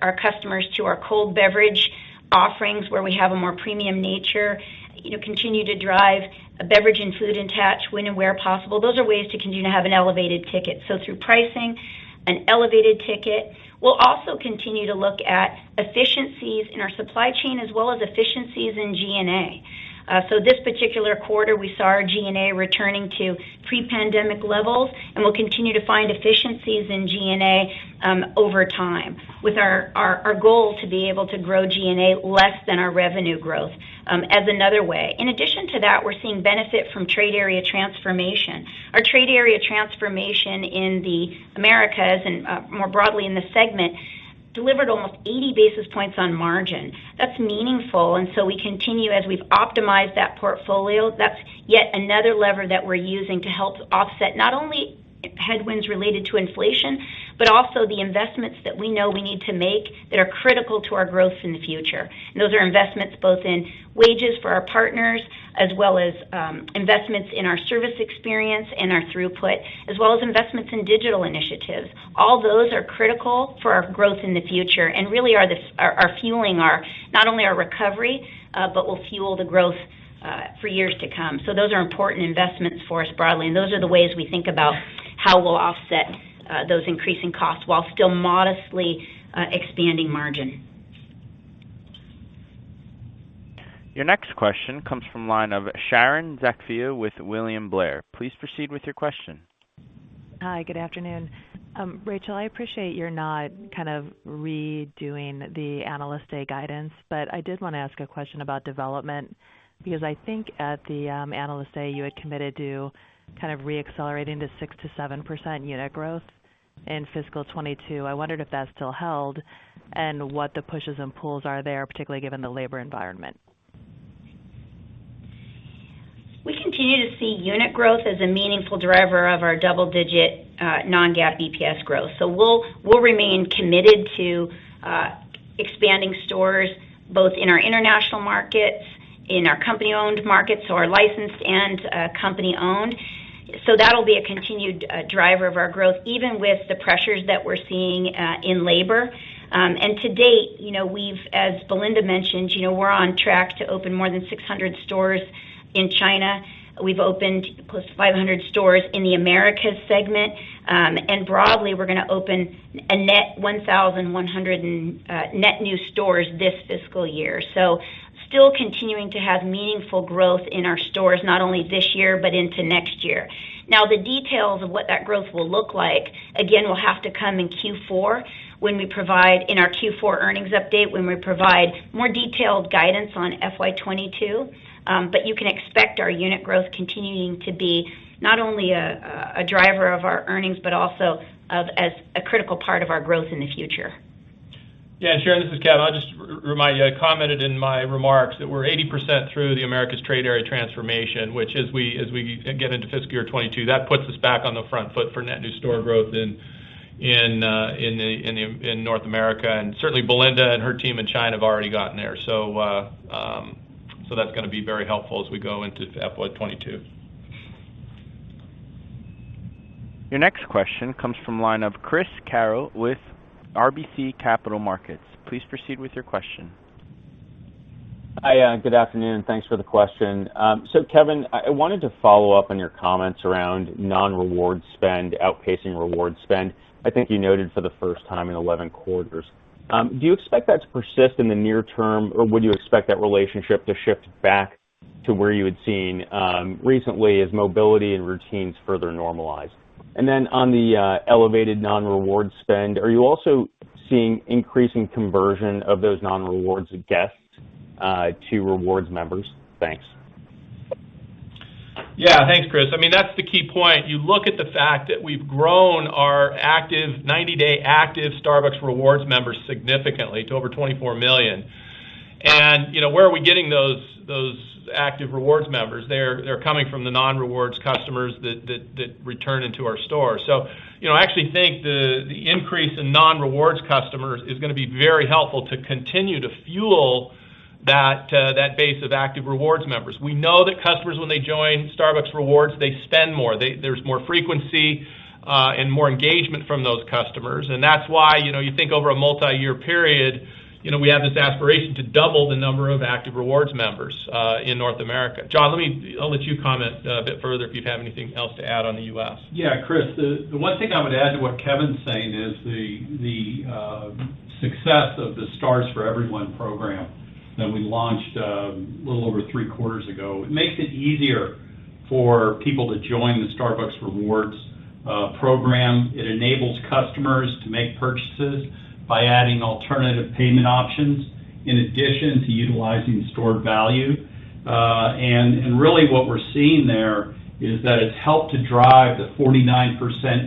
our customers to our cold beverage offerings, where we have a more premium nature, continue to drive a beverage and food attach when and where possible. Those are ways to continue to have an elevated ticket. Through pricing an elevated ticket, we'll also continue to look at efficiencies in our supply chain as well as efficiencies in G&A. This particular quarter, we saw our G&A returning to pre-pandemic levels, and we'll continue to find efficiencies in G&A over time with our goal to be able to grow G&A less than our revenue growth as another way. In addition to that, we're seeing benefit from trade area transformation. Our trade area transformation in the Americas and more broadly in the segment, delivered almost 80 basis points on margin. That's meaningful. We continue as we've optimized that portfolio. That's yet another lever that we're using to help offset not only headwinds related to inflation, but also the investments that we know we need to make that are critical to our growth in the future. Those are investments both in wages for our partners as well as investments in our service experience and our throughput, as well as investments in digital initiatives. All those are critical for our growth in the future and really are fueling not only our recovery, but will fuel the growth for years to come. Those are important investments for us broadly, and those are the ways we think about how we'll offset those increasing costs while still modestly expanding margin. Your next question comes from line of Sharon Zackfia with William Blair. Please proceed with your question. Hi, good afternoon. Rachel, I appreciate you're not kind of redoing the Analyst Day guidance, but I did want to ask a question about development, because I think at the Analyst Day, you had committed to kind of re-accelerating to 6%-7% unit growth. In fiscal 2022, I wondered if that still held, and what the pushes and pulls are there, particularly given the labor environment. We continue to see unit growth as a meaningful driver of our double-digit non-GAAP EPS growth. We'll remain committed to expanding stores both in our international markets, in our company-owned markets, so our licensed and company-owned. That'll be a continued driver of our growth, even with the pressures that we're seeing in labor. To date, as Belinda mentioned, we're on track to open more than 600 stores in China. We've opened close to 500 stores in the Americas segment. Broadly, we're going to open a net 1,100 net new stores this fiscal year. Still continuing to have meaningful growth in our stores, not only this year but into next year. Now, the details of what that growth will look like, again, will have to come in our Q4 earnings update, when we provide more detailed guidance on FY 2022. You can expect our unit growth continuing to be not only a driver of our earnings, but also as a critical part of our growth in the future. Yeah, Sharon, this is Kevin. I'll just remind you, I commented in my remarks that we're 80% through the Americas trade area transformation, which as we get into FY 2022, that puts us back on the front foot for net new store growth in North America. Certainly, Belinda and her team in China have already gotten there. That's going to be very helpful as we go into FY 2022. Your next question comes from line of Chris Carril with RBC Capital Markets. Please proceed with your question. Hi. Good afternoon. Thanks for the question. Kevin, I wanted to follow up on your comments around non-rewards spend outpacing rewards spend. I think you noted for the first time in 11 quarters. Do you expect that to persist in the near term, or would you expect that relationship to shift back to where you had seen recently as mobility and routines further normalize? On the elevated non-rewards spend, are you also seeing increasing conversion of those non-rewards guests to rewards members? Thanks. Thanks, Chris. That's the key point. You look at the fact that we've grown our active 90-day active Starbucks Rewards members significantly to over 24 million. Where are we getting those active Rewards members? They're coming from the non-Rewards customers that return into our stores. I actually think the increase in non-Rewards customers is going to be very helpful to continue to fuel that base of active Rewards members. We know that customers, when they join Starbucks Rewards, they spend more. There's more frequency and more engagement from those customers. That's why, you think over a multi-year period, we have this aspiration to double the number of active Rewards members in North America. John, I'll let you comment a bit further if you have anything else to add on the U.S. Yeah, Chris. The one thing I would add to what Kevin's saying is the success of the Stars for Everyone program that we launched a little over three quarters ago. It makes it easier for people to join the Starbucks Rewards program. It enables customers to make purchases by adding alternative payment options in addition to utilizing stored value. Really what we're seeing there is that it's helped to drive the 49%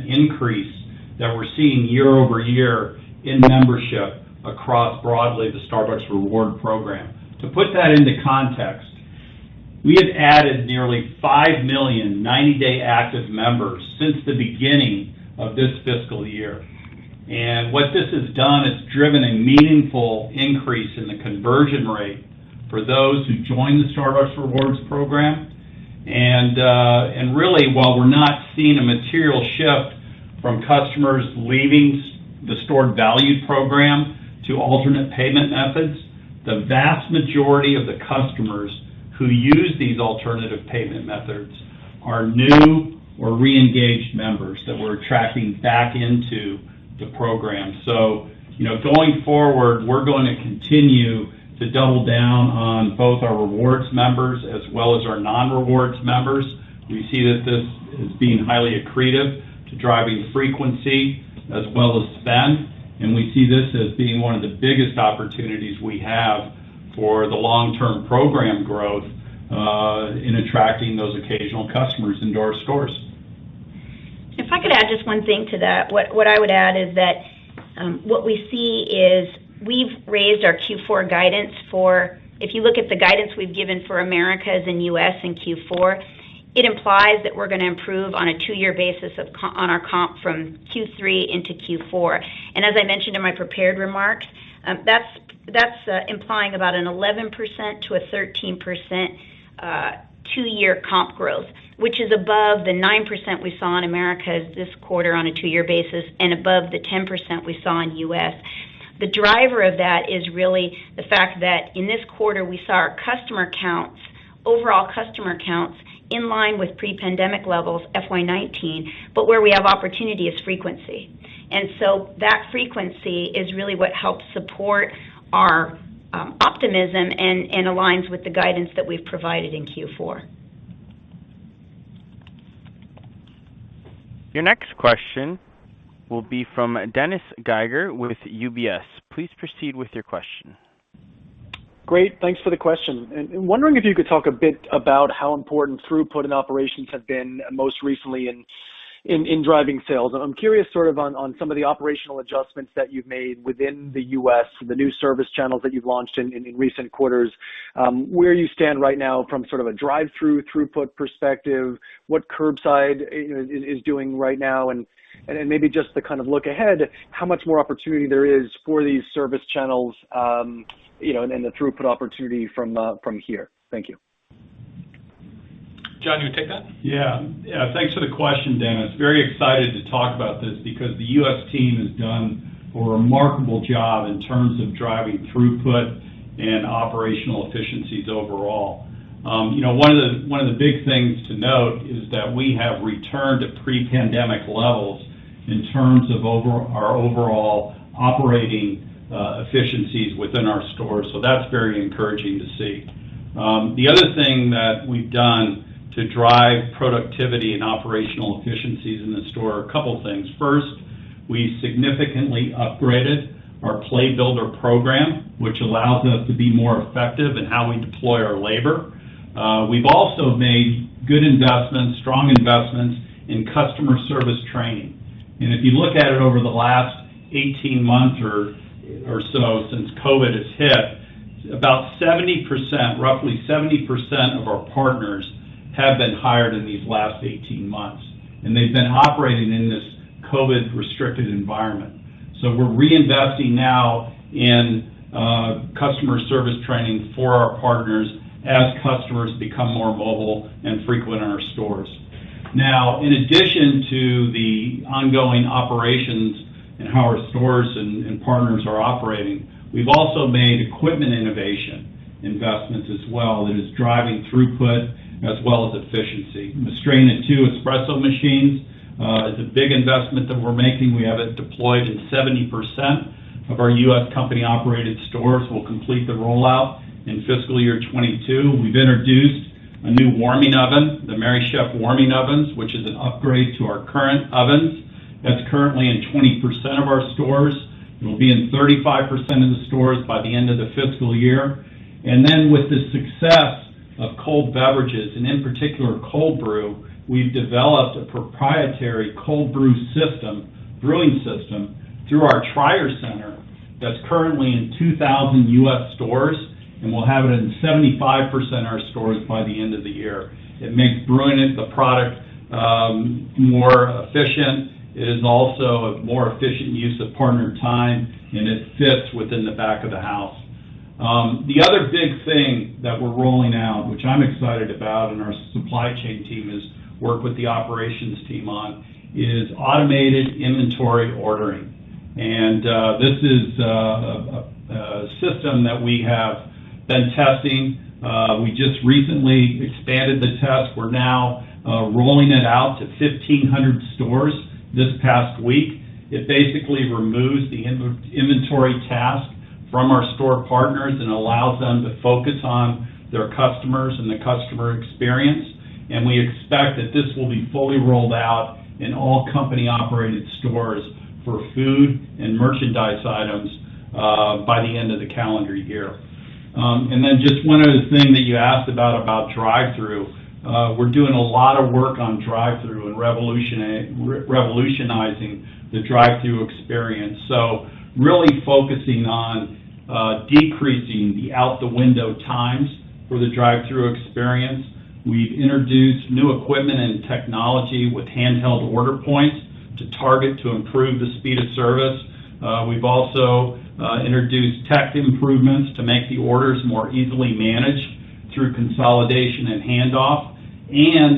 increase that we're seeing year-over-year in membership across broadly the Starbucks Rewards program. To put that into context, we have added nearly 5 million 90-day active members since the beginning of this fiscal year. What this has done, it's driven a meaningful increase in the conversion rate for those who join the Starbucks Rewards program. Really, while we're not seeing a material shift from customers leaving the stored value program to alternate payment methods, the vast majority of the customers who use these alternative payment methods are new or reengaged members that we're attracting back into the program. Going forward, we're going to continue to double down on both our Rewards members as well as our non-rewards members. We see that this is being highly accretive to driving frequency as well as spend, and we see this as being one of the biggest opportunities we have for the long-term program growth in attracting those occasional customers into our stores. If I could add just one thing to that. What I would add is that what we see is we've raised our Q4 guidance for, if you look at the guidance we've given for Americas and U.S. in Q4, it implies that we're going to improve on a two-year basis on our comp from Q3 into Q4. As I mentioned in my prepared remarks, that's implying about an 11%-13% two-year comp growth. Which is above the 9% we saw in Americas this quarter on a two-year basis, and above the 10% we saw in U.S. The driver of that is really the fact that in this quarter, we saw our overall customer counts in line with pre-pandemic levels FY 2019, but where we have opportunity is frequency. That frequency is really what helps support our optimism and aligns with the guidance that we've provided in Q4. Your next question will be from Dennis Geiger with UBS. Please proceed with your question. Great. Thanks for the question. Wondering if you could talk a bit about how important throughput and operations have been most recently in driving sales. I'm curious sort of on some of the operational adjustments that you've made within the U.S., the new service channels that you've launched in recent quarters, where you stand right now from sort of a drive-thru throughput perspective, what curbside is doing right now, and then maybe just the kind of look ahead, how much more opportunity there is for these service channels, and the throughput opportunity from here. Thank you. John, you take that? Thanks for the question, Dennis. Very excited to talk about this because the U.S. team has done a remarkable job in terms of driving throughput and operational efficiencies overall. One of the big things to note is that we have returned to pre-pandemic levels in terms of our overall operating efficiencies within our stores. That's very encouraging to see. The other thing that we've done to drive productivity and operational efficiencies in the store are a couple things. First, we significantly upgraded our Playbook Builder program, which allows us to be more effective in how we deploy our labor. We've also made good investments, strong investments in customer service training. If you look at it over the last 18 months or so since COVID has hit, about 70%, roughly 70% of our partners have been hired in these last 18 months, and they've been operating in this COVID restricted environment. We're reinvesting now in customer service training for our partners as customers become more mobile and frequent in our stores. In addition to the ongoing operations and how our stores and partners are operating, we've also made equipment innovation investments as well that is driving throughput as well as efficiency. The Mastrena II espresso machines is a big investment that we're making. We have it deployed in 70% of our U.S. company-operated stores. We'll complete the rollout in fiscal year 2022. We've introduced a new warming oven, the Merrychef warming ovens, which is an upgrade to our current ovens. That's currently in 20% of our stores. It'll be in 35% of the stores by the end of the fiscal year. With the success of cold beverages, and in particular cold brew, we've developed a proprietary cold brew system, brewing system, through our Tryer Center that's currently in 2,000 U.S. stores, and we'll have it in 75% of our stores by the end of the year. It makes brewing the product more efficient. It is also a more efficient use of partner time, and it fits within the back of the house. The other big thing that we're rolling out, which I'm excited about, our supply chain team has worked with the operations team on, is automated inventory ordering. This is a system that we have been testing. We just recently expanded the test. We're now rolling it out to 1,500 stores this past week. It basically removes the inventory task from our store partners and allows them to focus on their customers and the customer experience. We expect that this will be fully rolled out in all company-operated stores for food and merchandise items by the end of the calendar year. Then just one other thing that you asked about drive-thru. We're doing a lot of work on drive-thru and revolutionizing the drive-thru experience. Really focusing on decreasing the out the window times for the drive-thru experience. We've introduced new equipment and technology with handheld order points to target to improve the speed of service. We've also introduced tech improvements to make the orders more easily managed through consolidation and handoff.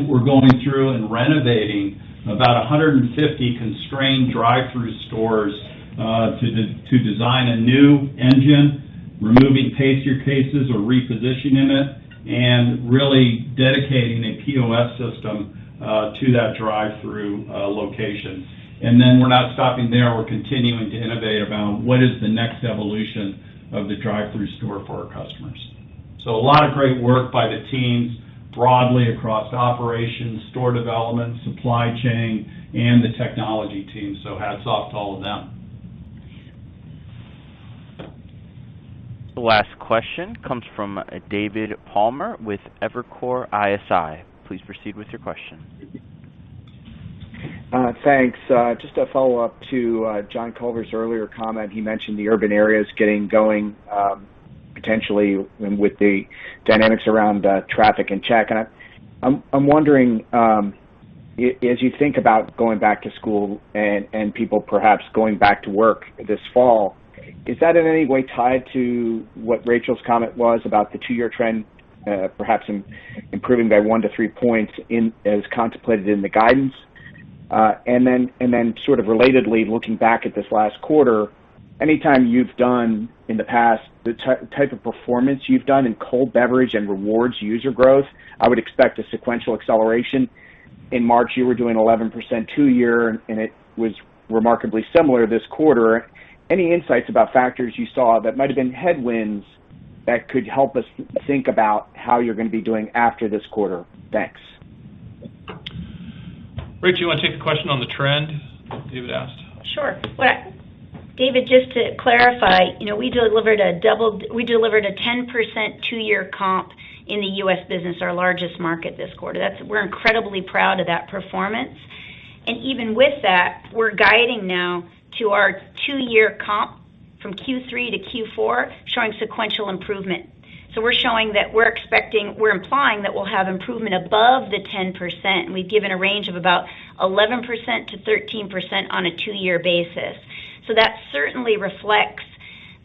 We're going through and renovating about 150 constrained drive-thru stores to design a new engine, removing pastry cases or repositioning it, and really dedicating a POS system to that drive-thru location. We're not stopping there. We're continuing to innovate about what is the next evolution of the drive-thru store for our customers. A lot of great work by the teams broadly across operations, store development, supply chain, and the technology team. Hats off to all of them. The last question comes from David Palmer with Evercore ISI. Please proceed with your question. Thanks. Just a follow-up to John Culver's earlier comment. He mentioned the urban areas getting going, potentially with the dynamics around traffic and check. I'm wondering, as you think about going back to school and people perhaps going back to work this fall, is that in any way tied to what Rachel's comment was about the two-year trend perhaps improving by one to three points as contemplated in the guidance? Sort of relatedly, looking back at this last quarter, any time you've done in the past the type of performance you've done in cold beverage and Starbucks Rewards user growth, I would expect a sequential acceleration. In March, you were doing 11% two-year, and it was remarkably similar this quarter. Any insights about factors you saw that might have been headwinds that could help us think about how you're going to be doing after this quarter? Thanks. Rachel, you want to take the question on the trend David asked? Sure. David, just to clarify, we delivered a 10% two-year comp in the U.S. business, our largest market this quarter. We're incredibly proud of that performance. Even with that, we're guiding now to our two-year comp from Q3 to Q4, showing sequential improvement. We're showing that we're expecting, we're implying that we'll have improvement above the 10%, and we've given a range of about 11%-13% on a two-year basis. That certainly reflects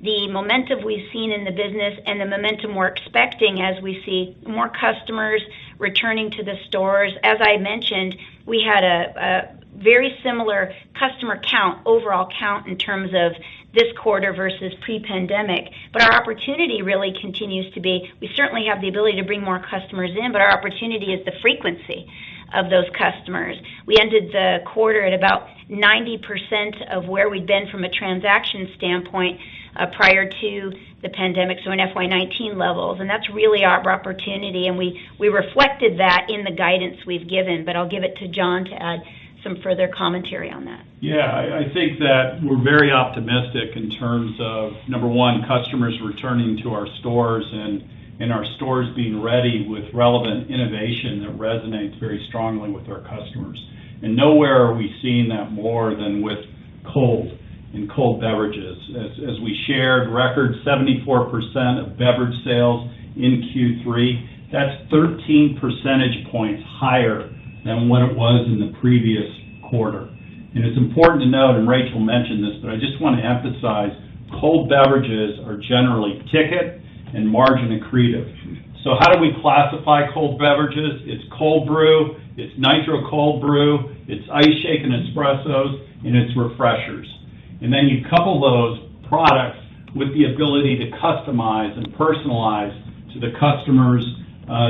the momentum we've seen in the business and the momentum we're expecting as we see more customers returning to the stores. As I mentioned, we had a very similar customer count, overall count in terms of this quarter versus pre-pandemic. Our opportunity really continues to be, we certainly have the ability to bring more customers in, but our opportunity is the frequency of those customers. We ended the quarter at about 90% of where we'd been from a transaction standpoint prior to the pandemic. In FY 2019 levels, and that's really our opportunity, and we reflected that in the guidance we've given. I'll give it to John to add some further commentary on that. Yeah, I think that we're very optimistic in terms of, number one, customers returning to our stores and our stores being ready with relevant innovation that resonates very strongly with our customers. Nowhere are we seeing that more than with cold and cold beverages. As we shared, record 74% of beverage sales in Q3. That's 13 percentage points higher than what it was in the previous quarter. It's important to note, and Rachel mentioned this, but I just want to emphasize, cold beverages are generally ticket and margin accretive. How do we classify cold beverages? It's Cold Brew, it's Nitro Cold Brew, it's Iced Shaken Espressos, and it's Refreshers. You couple those products with the ability to customize and personalize to the customer's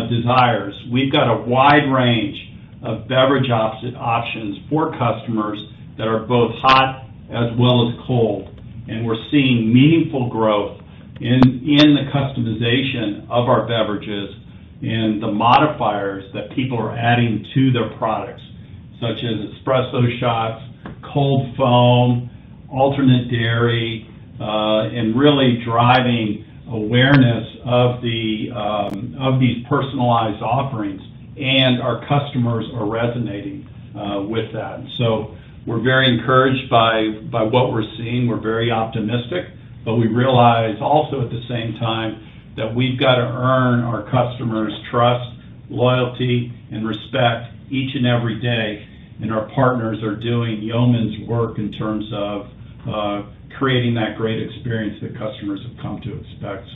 desires. We've got a wide range of beverage options for customers that are both hot as well as cold, and we're seeing meaningful growth in the customization of our beverages and the modifiers that people are adding to their products, such as espresso shots, cold foam, alternate dairy, and really driving awareness of these personalized offerings. Our customers are resonating with that. We're very encouraged by what we're seeing. We're very optimistic, but we realize also at the same time that we've got to earn our customers' trust, loyalty, and respect each and every day. Our partners are doing yeoman's work in terms of creating that great experience that customers have come to expect.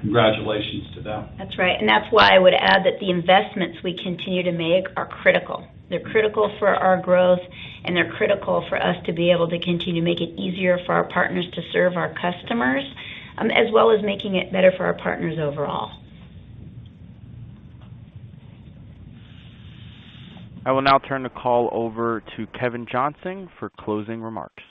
Congratulations to them. That's right. That's why I would add that the investments we continue to make are critical. They're critical for our growth, and they're critical for us to be able to continue to make it easier for our partners to serve our customers, as well as making it better for our partners overall. I will now turn the call over to Kevin Johnson for closing remarks.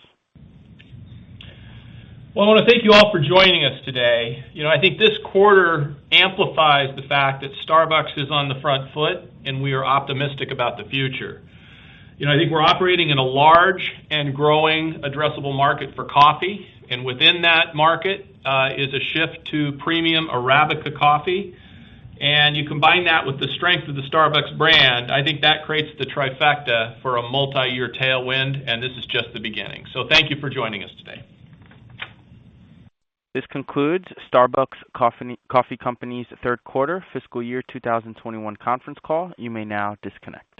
Well, I want to thank you all for joining us today. I think this quarter amplifies the fact that Starbucks is on the front foot, and we are optimistic about the future. I think we're operating in a large and growing addressable market for coffee, and within that market is a shift to premium Arabica coffee. You combine that with the strength of the Starbucks brand, I think that creates the trifecta for a multi-year tailwind, and this is just the beginning. Thank you for joining us today. This concludes Starbucks Coffee Company's third quarter fiscal year 2021 conference call. You may now disconnect.